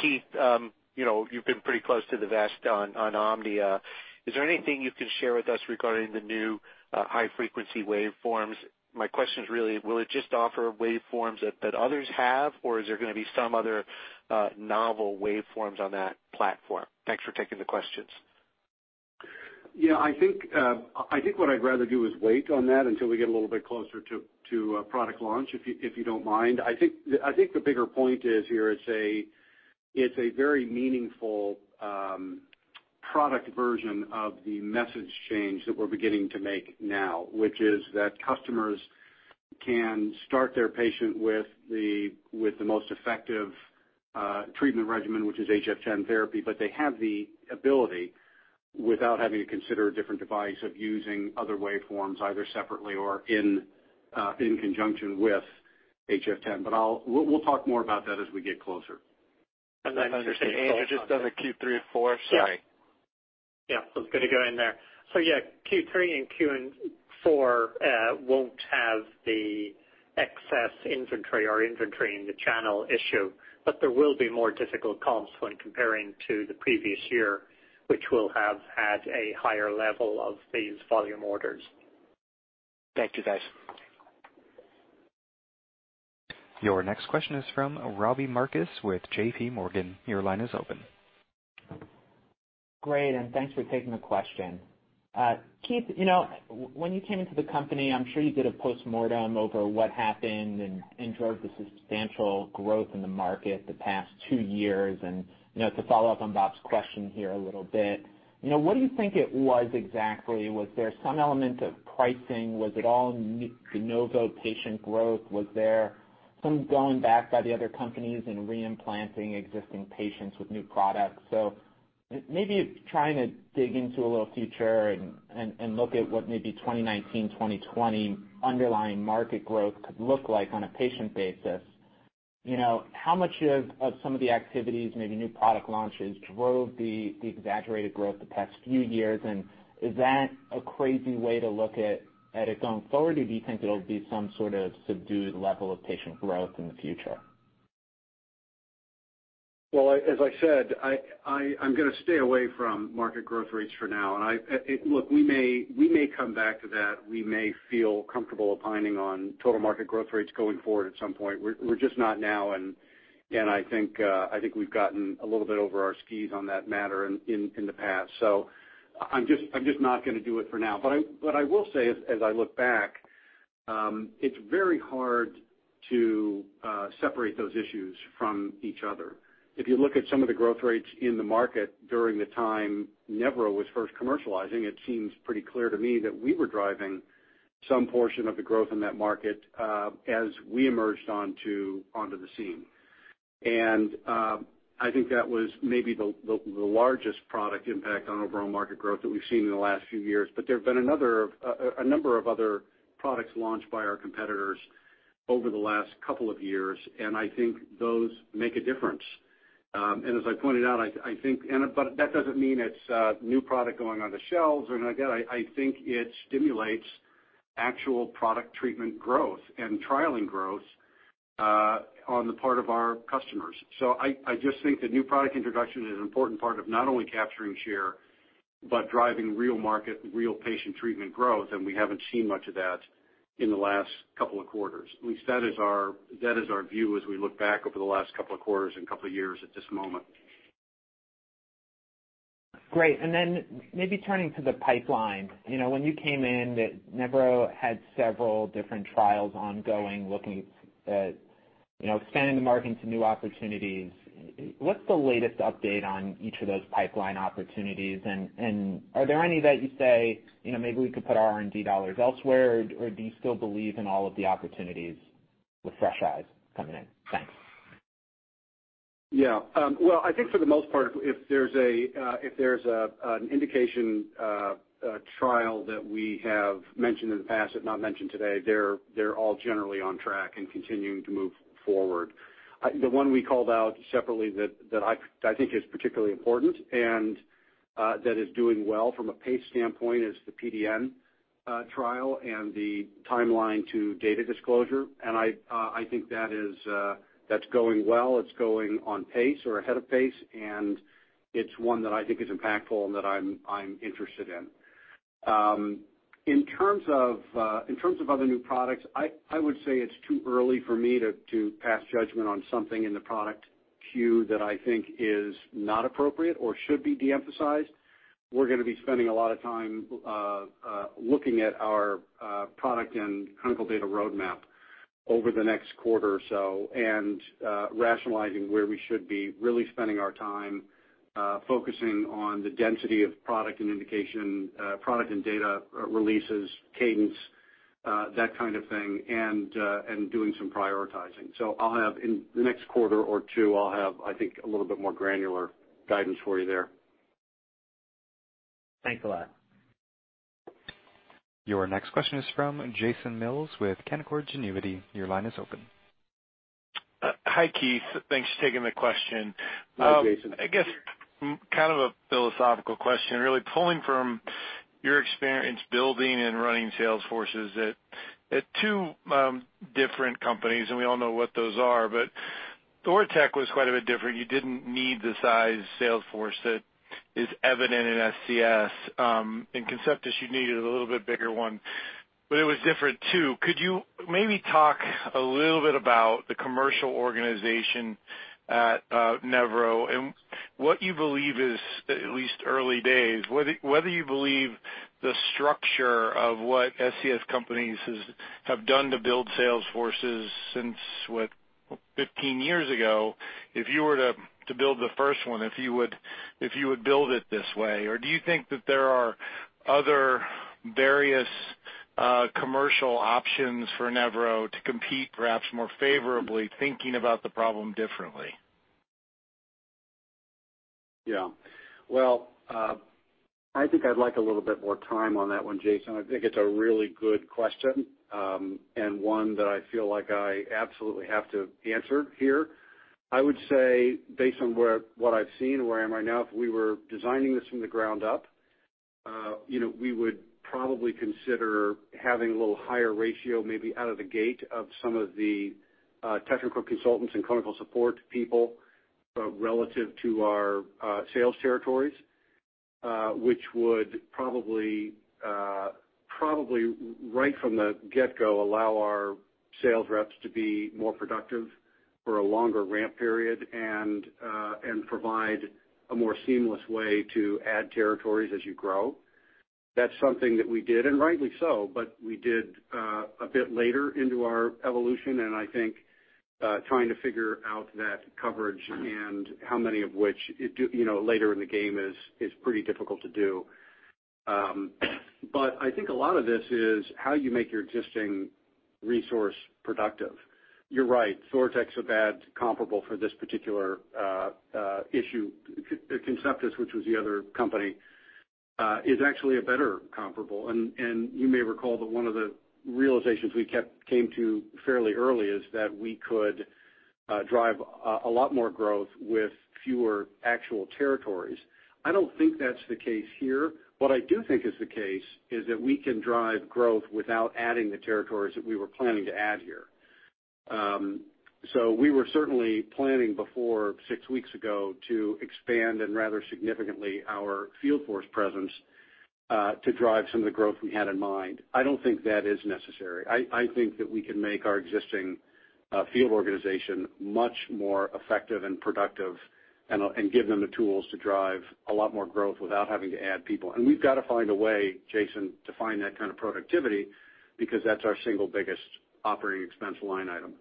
Keith, you've been pretty close to the vest on Omnia. Is there anything you can share with us regarding the new high-frequency waveforms? My question is really, will it just offer waveforms that others have, or is there going to be some other novel waveforms on that platform? Thanks for taking the questions. I think what I'd rather do is wait on that until we get a little bit closer to product launch, if you don't mind. I think the bigger point is here it's a very meaningful product version of the message change that we're beginning to make now, which is that customers can start their patient with the most effective treatment regimen, which is HF10 therapy. They have the ability, without having to consider a different device, of using other waveforms, either separately or in conjunction with HF10. We'll talk more about that as we get closer. Andrew, just on the Q3 or Q4, sorry. Yeah. I was going to go in there. Yeah, Q3 and Q4 won't have the excess inventory or inventory in the channel issue, but there will be more difficult comps when comparing to the previous year, which will have had a higher level of these volume orders. Thank you, guys. Your next question is from Robbie Marcus with JPMorgan. Your line is open. Great, thanks for taking the question. Keith, when you came into the company, I'm sure you did a postmortem over what happened and drove the substantial growth in the market the past two years. To follow up on Bob's question here a little bit, what do you think it was exactly? Was there some element of pricing? Was it all de novo patient growth? Was there some going back by the other companies and re-implanting existing patients with new products? Maybe trying to dig into a little future and look at what maybe 2019, 2020 underlying market growth could look like on a patient basis. How much of some of the activities, maybe new product launches, drove the exaggerated growth the past few years, and is that a crazy way to look at it going forward, or do you think it'll be some sort of subdued level of patient growth in the future? Well, as I said, I'm going to stay away from market growth rates for now. Look, we may come back to that. We may feel comfortable opining on total market growth rates going forward at some point. We're just not now, and I think we've gotten a little bit over our skis on that matter in the past. I'm just not going to do it for now. What I will say as I look back. It's very hard to separate those issues from each other. If you look at some of the growth rates in the market during the time Nevro was first commercializing, it seems pretty clear to me that we were driving some portion of the growth in that market as we emerged onto the scene. I think that was maybe the largest product impact on overall market growth that we've seen in the last few years. There have been a number of other products launched by our competitors over the last couple of years, and I think those make a difference. As I pointed out, that doesn't mean it's new product going on the shelves. Again, I think it stimulates actual product treatment growth and trialing growth on the part of our customers. I just think that new product introduction is an important part of not only capturing share, but driving real market, real patient treatment growth, and we haven't seen much of that in the last couple of quarters. At least that is our view as we look back over the last couple of quarters and couple of years at this moment. Great. Maybe turning to the pipeline. When you came in, Nevro had several different trials ongoing, looking at expanding the market into new opportunities. What's the latest update on each of those pipeline opportunities, and are there any that you say, maybe we could put our R&D dollars elsewhere, or do you still believe in all of the opportunities with fresh eyes coming in? Thanks. Yeah. Well, I think for the most part, if there's an indication trial that we have mentioned in the past, if not mentioned today, they're all generally on track and continuing to move forward. The one we called out separately that I think is particularly important, and that is doing well from a pace standpoint, is the PDN trial and the timeline to data disclosure. I think that's going well. It's going on pace or ahead of pace, and it's one that I think is impactful and that I'm interested in. In terms of other new products, I would say it's too early for me to pass judgment on something in the product queue that I think is not appropriate or should be de-emphasized. We're going to be spending a lot of time looking at our product and clinical data roadmap over the next quarter or so, and rationalizing where we should be really spending our time, focusing on the density of product and data releases, cadence, that kind of thing, and doing some prioritizing. In the next quarter or two, I'll have, I think, a little bit more granular guidance for you there. Thanks a lot. Your next question is from Jason Mills with Canaccord Genuity. Your line is open. Hi, Keith. Thanks for taking the question. Hi, Jason. I guess kind of a philosophical question, really. Pulling from your experience building and running sales forces at two different companies. We all know what those are, but Thoratec was quite a bit different. You didn't need the size sales force that is evident in SCS. In Conceptus, you needed a little bit bigger one, but it was different, too. Could you maybe talk a little bit about the commercial organization at Nevro and what you believe is, at least early days, whether you believe the structure of what SCS companies have done to build sales forces since, what, 15 years ago, if you were to build the first one, if you would build it this way? Do you think that there are other various commercial options for Nevro to compete perhaps more favorably, thinking about the problem differently? Well, I think I'd like a little bit more time on that one, Jason. I think it's a really good question. One that I feel like I absolutely have to answer here. I would say based on what I've seen and where I am right now, if we were designing this from the ground up, we would probably consider having a little higher ratio maybe out of the gate of some of the technical consultants and clinical support people relative to our sales territories, which would probably, right from the get-go, allow our sales reps to be more productive for a longer ramp period and provide a more seamless way to add territories as you grow. That's something that we did, and rightly so, but we did a bit later into our evolution, and I think trying to figure out that coverage and how many of which later in the game is pretty difficult to do. I think a lot of this is how you make your existing resource productive. You're right. Thoratec's a bad comparable for this particular issue. Conceptus, which was the other company, is actually a better comparable. You may recall that one of the realizations we came to fairly early is that we could drive a lot more growth with fewer actual territories. I don't think that's the case here. What I do think is the case is that we can drive growth without adding the territories that we were planning to add here. We were certainly planning before six weeks ago to expand, and rather significantly, our field force presence, to drive some of the growth we had in mind. I don't think that is necessary. I think that we can make our existing field organization much more effective and productive and give them the tools to drive a lot more growth without having to add people. We've got to find a way, Jason, to find that kind of productivity, because that's our single biggest operating expense line item.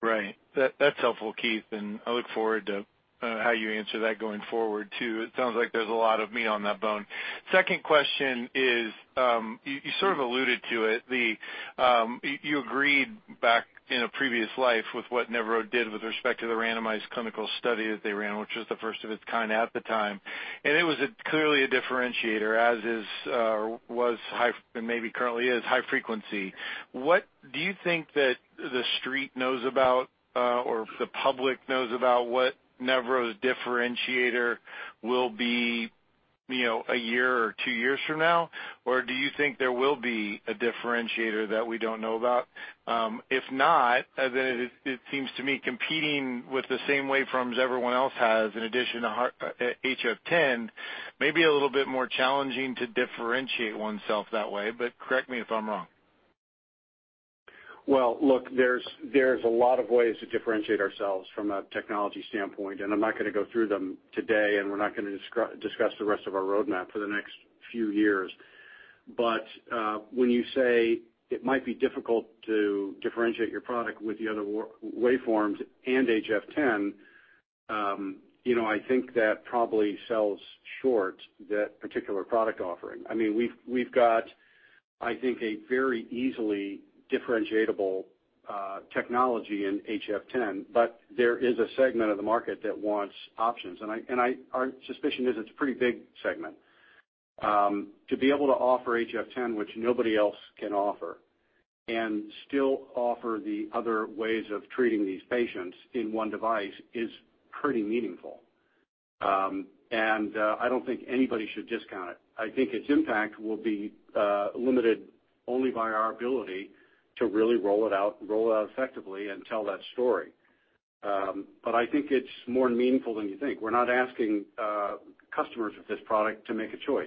Right. That's helpful, Keith. I look forward to how you answer that going forward too. It sounds like there's a lot of meat on that bone. Second question is, you sort of alluded to it, you agreed back in a previous life with what Nevro did with respect to the randomized clinical study that they ran, which was the first of its kind at the time. It was clearly a differentiator, as is or was, and maybe currently is high frequency. What do you think that the street knows about or the public knows about what Nevro's differentiator will be a year or two years from now? Do you think there will be a differentiator that we don't know about? If not, it seems to me competing with the same waveforms everyone else has in addition to HF10 may be a little bit more challenging to differentiate oneself that way. Correct me if I'm wrong. Well, look, there's a lot of ways to differentiate ourselves from a technology standpoint. I'm not going to go through them today, and we're not going to discuss the rest of our roadmap for the next few years. When you say it might be difficult to differentiate your product with the other waveforms and HF10, I think that probably sells short that particular product offering. We've got, I think, a very easily differentiable technology in HF10, but there is a segment of the market that wants options, and our suspicion is it's a pretty big segment. To be able to offer HF10, which nobody else can offer, and still offer the other ways of treating these patients in one device is pretty meaningful. I don't think anybody should discount it. I think its impact will be limited only by our ability to really roll it out effectively and tell that story. I think it's more meaningful than you think. We're not asking customers of this product to make a choice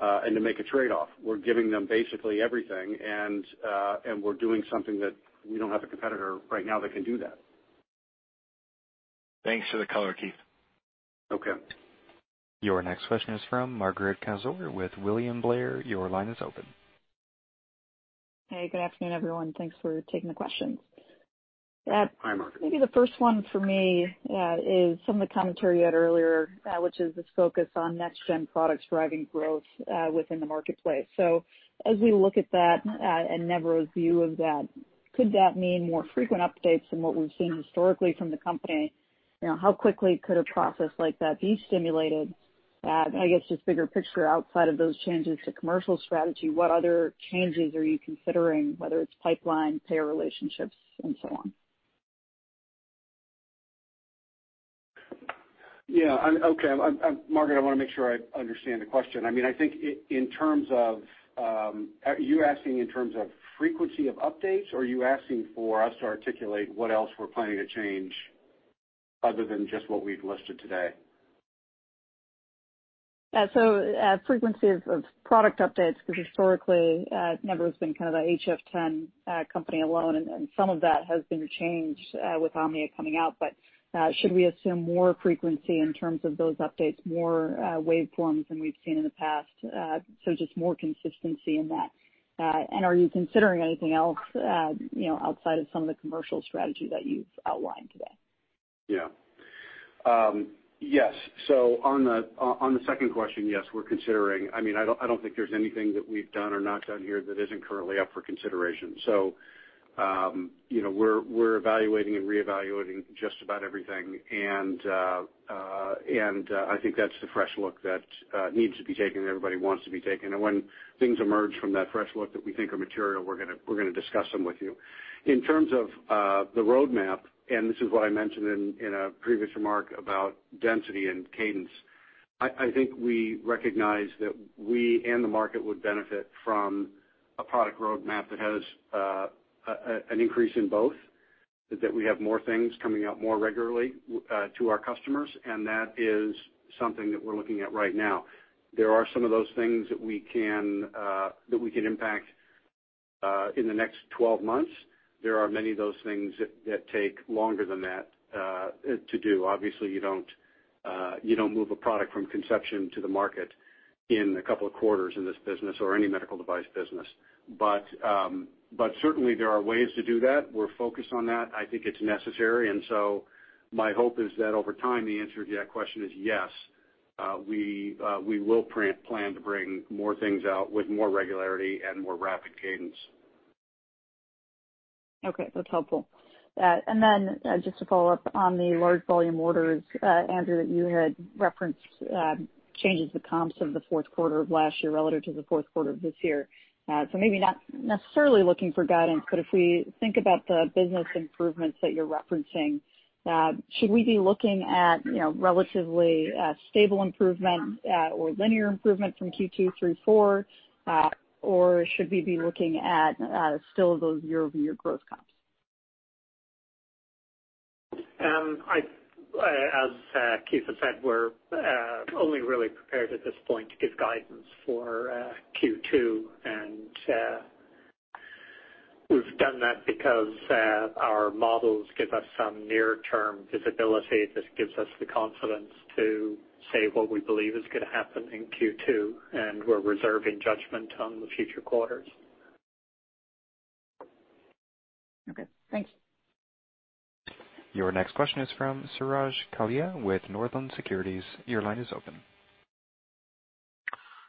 and to make a trade-off. We're giving them basically everything, and we're doing something that we don't have a competitor right now that can do that. Thanks for the color, Keith. Okay. Your next question is from Margaret Kaczor with William Blair. Your line is open. Hey, good afternoon, everyone. Thanks for taking the questions. Hi, Margaret. Maybe the first one for me is some of the commentary you had earlier, which is this focus on next gen products driving growth within the marketplace. As we look at that and Nevro's view of that, could that mean more frequent updates than what we've seen historically from the company? How quickly could a process like that be stimulated? I guess just bigger picture outside of those changes to commercial strategy, what other changes are you considering, whether it's pipeline, payer relationships, and so on? Yeah. Okay, Margaret, I want to make sure I understand the question. I think in terms of, are you asking in terms of frequency of updates, or are you asking for us to articulate what else we're planning to change other than just what we've listed today? Frequency of product updates, because historically Nevro's been kind of the HF10 company alone, and some of that has been changed with Omnia coming out. Should we assume more frequency in terms of those updates, more waveforms than we've seen in the past? Just more consistency in that. Are you considering anything else outside of some of the commercial strategy that you've outlined today? Yes, on the second question, yes, we're considering. I don't think there's anything that we've done or not done here that isn't currently up for consideration. We're evaluating and reevaluating just about everything, and I think that's the fresh look that needs to be taken and everybody wants to be taken. When things emerge from that fresh look that we think are material, we're going to discuss them with you. In terms of the roadmap, this is what I mentioned in a previous remark about density and cadence, I think we recognize that we and the market would benefit from a product roadmap that has an increase in both, that we have more things coming out more regularly to our customers, and that is something that we're looking at right now. There are some of those things that we can impact in the next 12 months. There are many of those things that take longer than that to do. Obviously, you don't move a product from conception to the market in a couple of quarters in this business or any medical device business. Certainly there are ways to do that. We're focused on that. I think it's necessary, my hope is that over time, the answer to that question is yes, we will plan to bring more things out with more regularity and more rapid cadence. That's helpful. Just to follow up on the large volume orders, Andrew, that you had referenced changes to comps of the fourth quarter of last year relative to the fourth quarter of this year. Maybe not necessarily looking for guidance, but if we think about the business improvements that you're referencing, should we be looking at relatively stable improvement or linear improvement from Q2 through 4, or should we be looking at still those year-over-year growth comps? As Keith has said, we're only really prepared at this point to give guidance for Q2. We've done that because our models give us some near-term visibility that gives us the confidence to say what we believe is going to happen in Q2. We're reserving judgment on the future quarters. Okay. Thank you. Your next question is from Suraj Kalia with Northland Securities. Your line is open.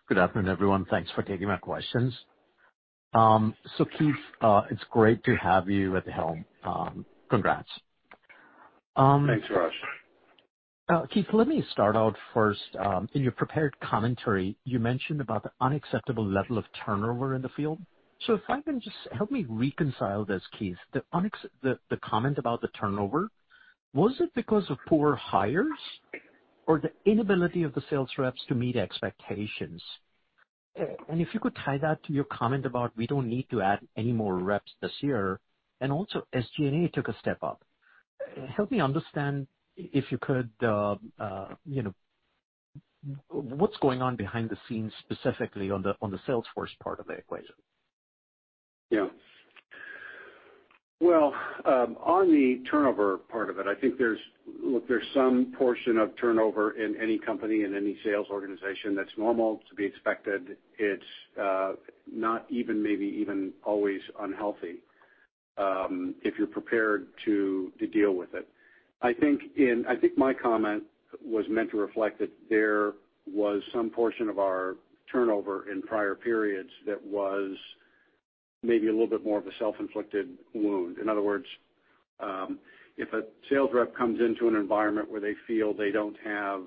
Good afternoon, everyone. Thanks for taking my questions. Keith, it's great to have you at the helm. Congrats. Thanks, Suraj. Keith, let me start out first. In your prepared commentary, you mentioned about the unacceptable level of turnover in the field. Help me reconcile this, Keith, the comment about the turnover, was it because of poor hires or the inability of the sales reps to meet expectations? If you could tie that to your comment about we don't need to add any more reps this year, and also as G&A took a step up. Help me understand, if you could, what's going on behind the scenes, specifically on the sales force part of the equation? Yeah. Well, on the turnover part of it, I think there's some portion of turnover in any company, in any sales organization, that's normal, to be expected. It's not even maybe even always unhealthy, if you're prepared to deal with it. I think my comment was meant to reflect that there was some portion of our turnover in prior periods that was maybe a little bit more of a self-inflicted wound. In other words, if a sales rep comes into an environment where they feel they don't have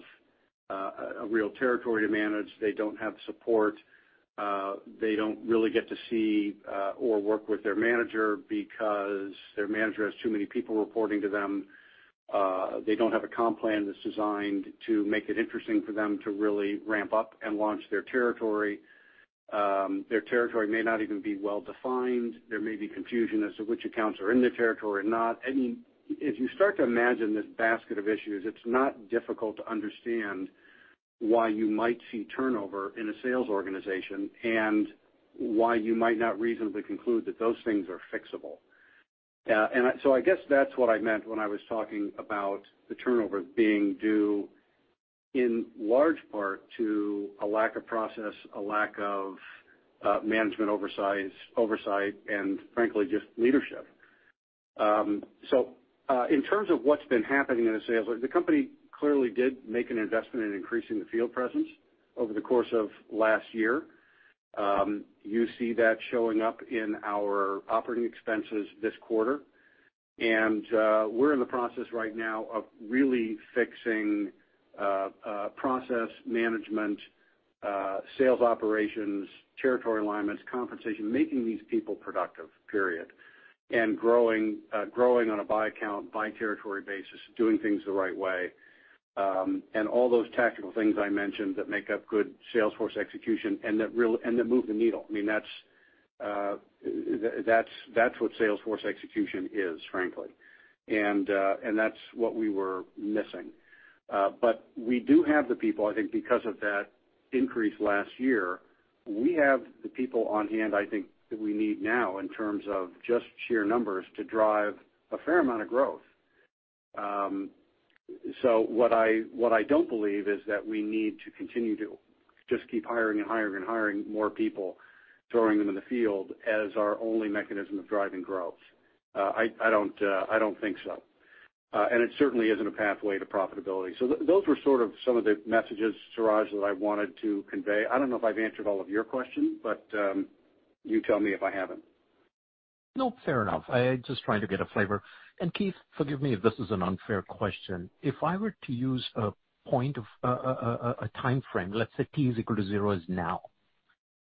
a real territory to manage, they don't have support, they don't really get to see or work with their manager because their manager has too many people reporting to them, they don't have a comp plan that's designed to make it interesting for them to really ramp up and launch their territory. Their territory may not even be well-defined. There may be confusion as to which accounts are in their territory or not. If you start to imagine this basket of issues, it's not difficult to understand why you might see turnover in a sales organization and why you might not reasonably conclude that those things are fixable. I guess that's what I meant when I was talking about the turnover being due in large part to a lack of process, a lack of management oversight, and frankly, just leadership. In terms of what's been happening in the sales, the company clearly did make an investment in increasing the field presence over the course of last year. You see that showing up in our operating expenses this quarter. We're in the process right now of really fixing process management, sales operations, territory alignments, compensation, making these people productive, period. Growing on a by account, by territory basis, doing things the right way. All those tactical things I mentioned that make up good Salesforce execution and that move the needle. That's what Salesforce execution is, frankly. That's what we were missing. We do have the people, I think because of that increase last year, we have the people on hand, I think that we need now in terms of just sheer numbers to drive a fair amount of growth. What I don't believe is that we need to continue to just keep hiring and hiring more people, throwing them in the field as our only mechanism of driving growth. I don't think so. It certainly isn't a pathway to profitability. Those were sort of some of the messages, Suraj, that I wanted to convey. I don't know if I've answered all of your questions, but you tell me if I haven't. Fair enough. I am just trying to get a flavor. Keith, forgive me if this is an unfair question. If I were to use a timeframe, let's say T is equal to zero is now.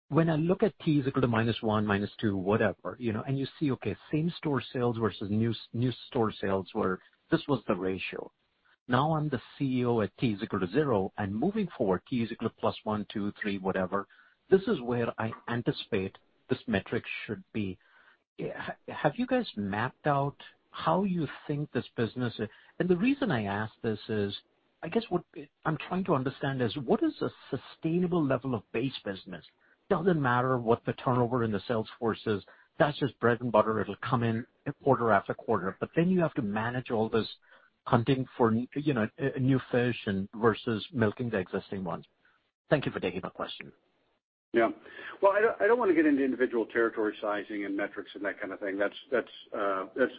When I look at T is equal to minus one, minus two, whatever, and you see, okay, same store sales versus new store sales were, this was the ratio. Now I'm the CEO at T is equal to zero, and moving forward, T is equal to plus one, two, three, whatever. This is where I anticipate this metric should be. Have you guys mapped out how you think this business, and the reason I ask this is, I guess what I'm trying to understand is what is a sustainable level of base business? Doesn't matter what the turnover in the Salesforce is. That's just bread and butter. It'll come in quarter after quarter. You have to manage all this hunting for new fish versus milking the existing ones. Thank you for taking my question. Well, I don't want to get into individual territory sizing and metrics and that kind of thing. That's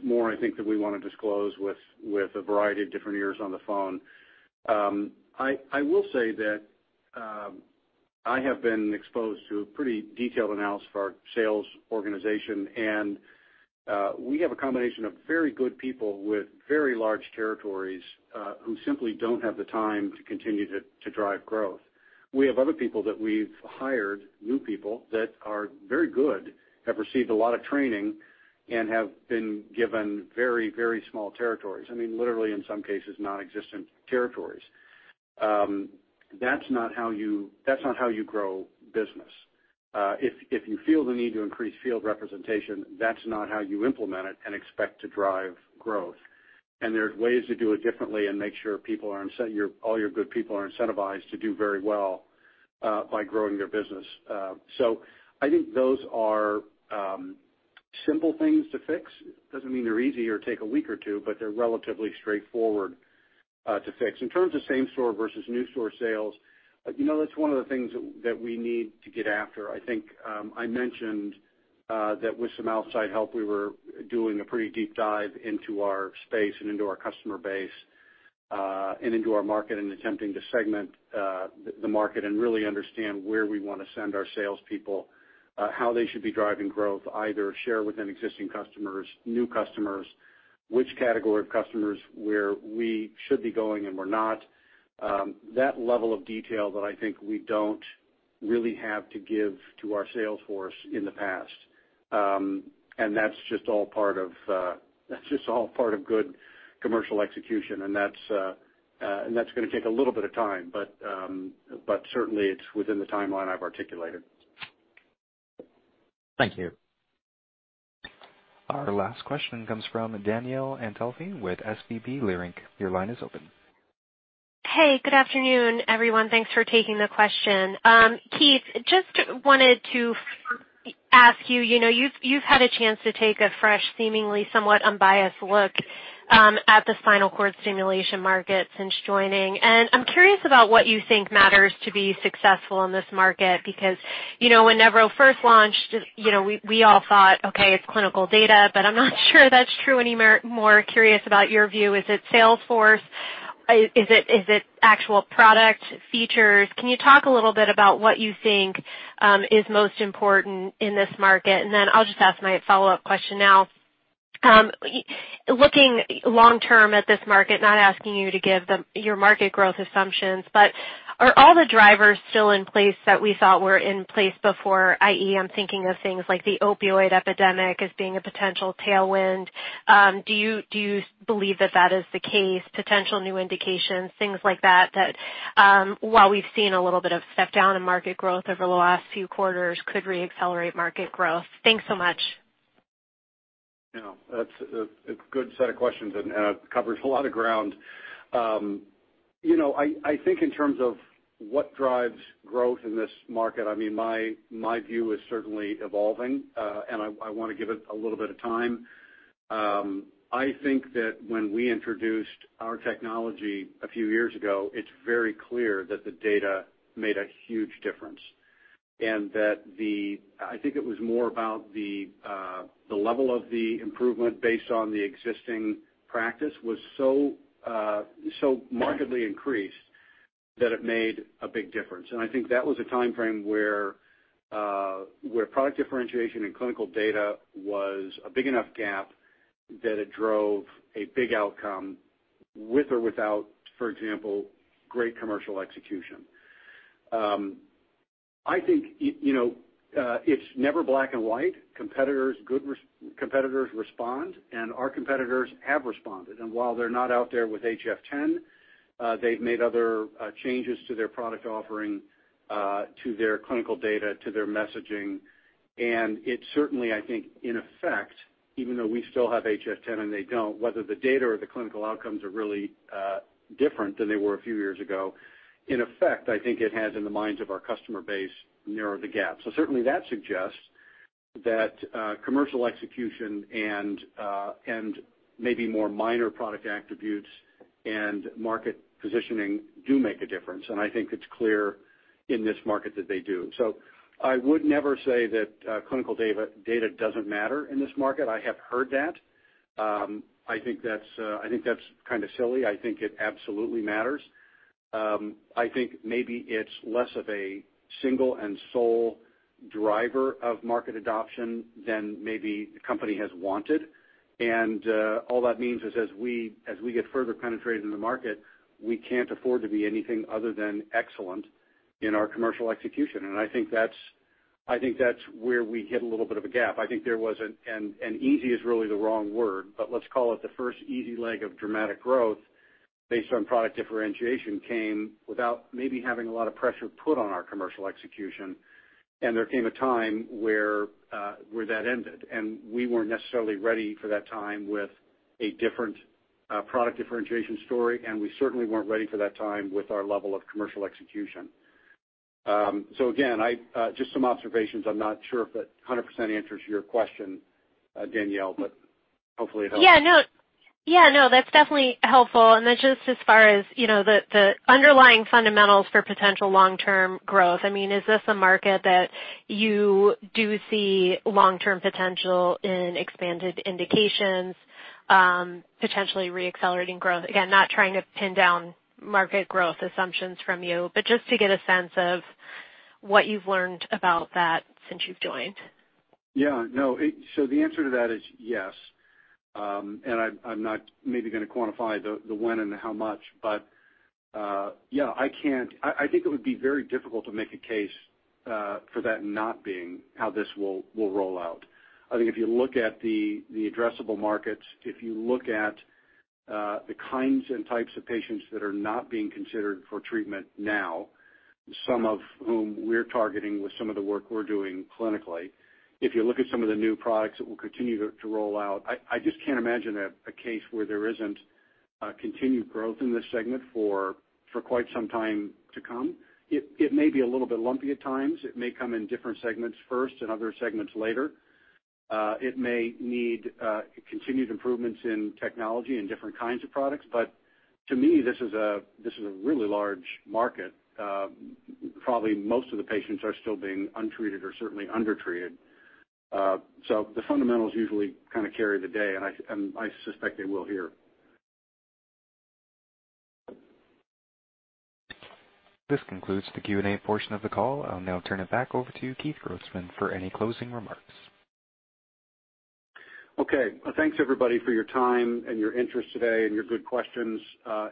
more, I think, that we want to disclose with a variety of different ears on the phone. I will say that I have been exposed to a pretty detailed analysis of our sales organization, and we have a combination of very good people with very large territories, who simply don't have the time to continue to drive growth. We have other people that we've hired, new people, that are very good, have received a lot of training, and have been given very small territories. Literally in some cases, nonexistent territories. That's not how you grow business. If you feel the need to increase field representation, that's not how you implement it and expect to drive growth. There's ways to do it differently and make sure all your good people are incentivized to do very well by growing their business. I think those are simple things to fix. Doesn't mean they're easy or take a week or two, but they're relatively straightforward to fix. In terms of same store versus new store sales, that's one of the things that we need to get after. I think I mentioned that with some outside help, we were doing a pretty deep dive into our space, and into our customer base, and into our market, and attempting to segment the market and really understand where we want to send our salespeople, how they should be driving growth, either share within existing customers, new customers, which category of customers where we should be going and we're not. That level of detail that I think we don't really have to give to our sales force in the past. That's just all part of good commercial execution and that's going to take a little bit of time, but certainly it's within the timeline I've articulated. Thank you. Our last question comes from Danielle Antalffy with SVB Leerink. Your line is open. Hey, good afternoon, everyone. Thanks for taking the question. Keith, just wanted to ask you've had a chance to take a fresh, seemingly somewhat unbiased look at the spinal cord stimulation market since joining, and I'm curious about what you think matters to be successful in this market because when Nevro first launched, we all thought, okay, it's clinical data, I'm not sure that's true anymore. More curious about your view. Is it sales force? Is it actual product features? Can you talk a little bit about what you think is most important in this market? I'll just ask my follow-up question now. Looking long-term at this market, not asking you to give your market growth assumptions, are all the drivers still in place that we thought were in place before, i.e., I'm thinking of things like the opioid epidemic as being a potential tailwind. Do you believe that that is the case? Potential new indications, things like that while we've seen a little bit of step down in market growth over the last few quarters could re-accelerate market growth. Thanks so much. Yeah. That's a good set of questions and covers a lot of ground. I think in terms of what drives growth in this market, my view is certainly evolving. I want to give it a little bit of time. I think that when we introduced our technology a few years ago, it's very clear that the data made a huge difference. I think it was more about the level of the improvement based on the existing practice was so markedly increased that it made a big difference. I think that was a timeframe where product differentiation and clinical data was a big enough gap that it drove a big outcome with or without, for example, great commercial execution. I think it's never black and white. Good competitors respond, our competitors have responded. While they're not out there with HF10, they've made other changes to their product offering, to their clinical data, to their messaging. It certainly, I think in effect, even though we still have HF10 and they don't, whether the data or the clinical outcomes are really different than they were a few years ago, in effect, I think it has in the minds of our customer base narrowed the gap. Certainly that suggests that commercial execution and maybe more minor product attributes and market positioning do make a difference, and I think it's clear in this market that they do. I would never say that clinical data doesn't matter in this market. I have heard that. I think that's kind of silly. I think it absolutely matters. I think maybe it's less of a single and sole driver of market adoption than maybe the company has wanted. All that means is as we get further penetrated in the market, we can't afford to be anything other than excellent in our commercial execution. I think that's where we hit a little bit of a gap. I think there was an, and easy is really the wrong word, but let's call it the first easy leg of dramatic growth based on product differentiation came without maybe having a lot of pressure put on our commercial execution. There came a time where that ended, and we weren't necessarily ready for that time with a different product differentiation story, and we certainly weren't ready for that time with our level of commercial execution. Again, just some observations. I'm not sure if it 100% answers your question, Danielle, hopefully it helps. Yeah, no. That's definitely helpful. Then just as far as the underlying fundamentals for potential long-term growth, is this a market that you do see long-term potential in expanded indications, potentially re-accelerating growth? Again, not trying to pin down market growth assumptions from you, just to get a sense of what you've learned about that since you've joined. Yeah. The answer to that is yes. I'm not maybe going to quantify the when and the how much, yeah, I think it would be very difficult to make a case for that not being how this will roll out. I think if you look at the addressable markets, if you look at the kinds and types of patients that are not being considered for treatment now, some of whom we're targeting with some of the work we're doing clinically. If you look at some of the new products that we'll continue to roll out, I just can't imagine a case where there isn't continued growth in this segment for quite some time to come. It may be a little bit lumpy at times. It may come in different segments first and other segments later. It may need continued improvements in technology and different kinds of products. To me, this is a really large market. Probably most of the patients are still being untreated or certainly undertreated. The fundamentals usually carry the day, and I suspect they will here. This concludes the Q&A portion of the call. I'll now turn it back over to Keith Grossman for any closing remarks. Okay. Thanks everybody for your time and your interest today and your good questions.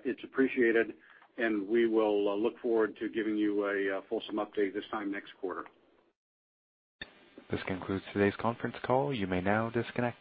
It's appreciated, and we will look forward to giving you a fulsome update this time next quarter. This concludes today's conference call. You may now disconnect.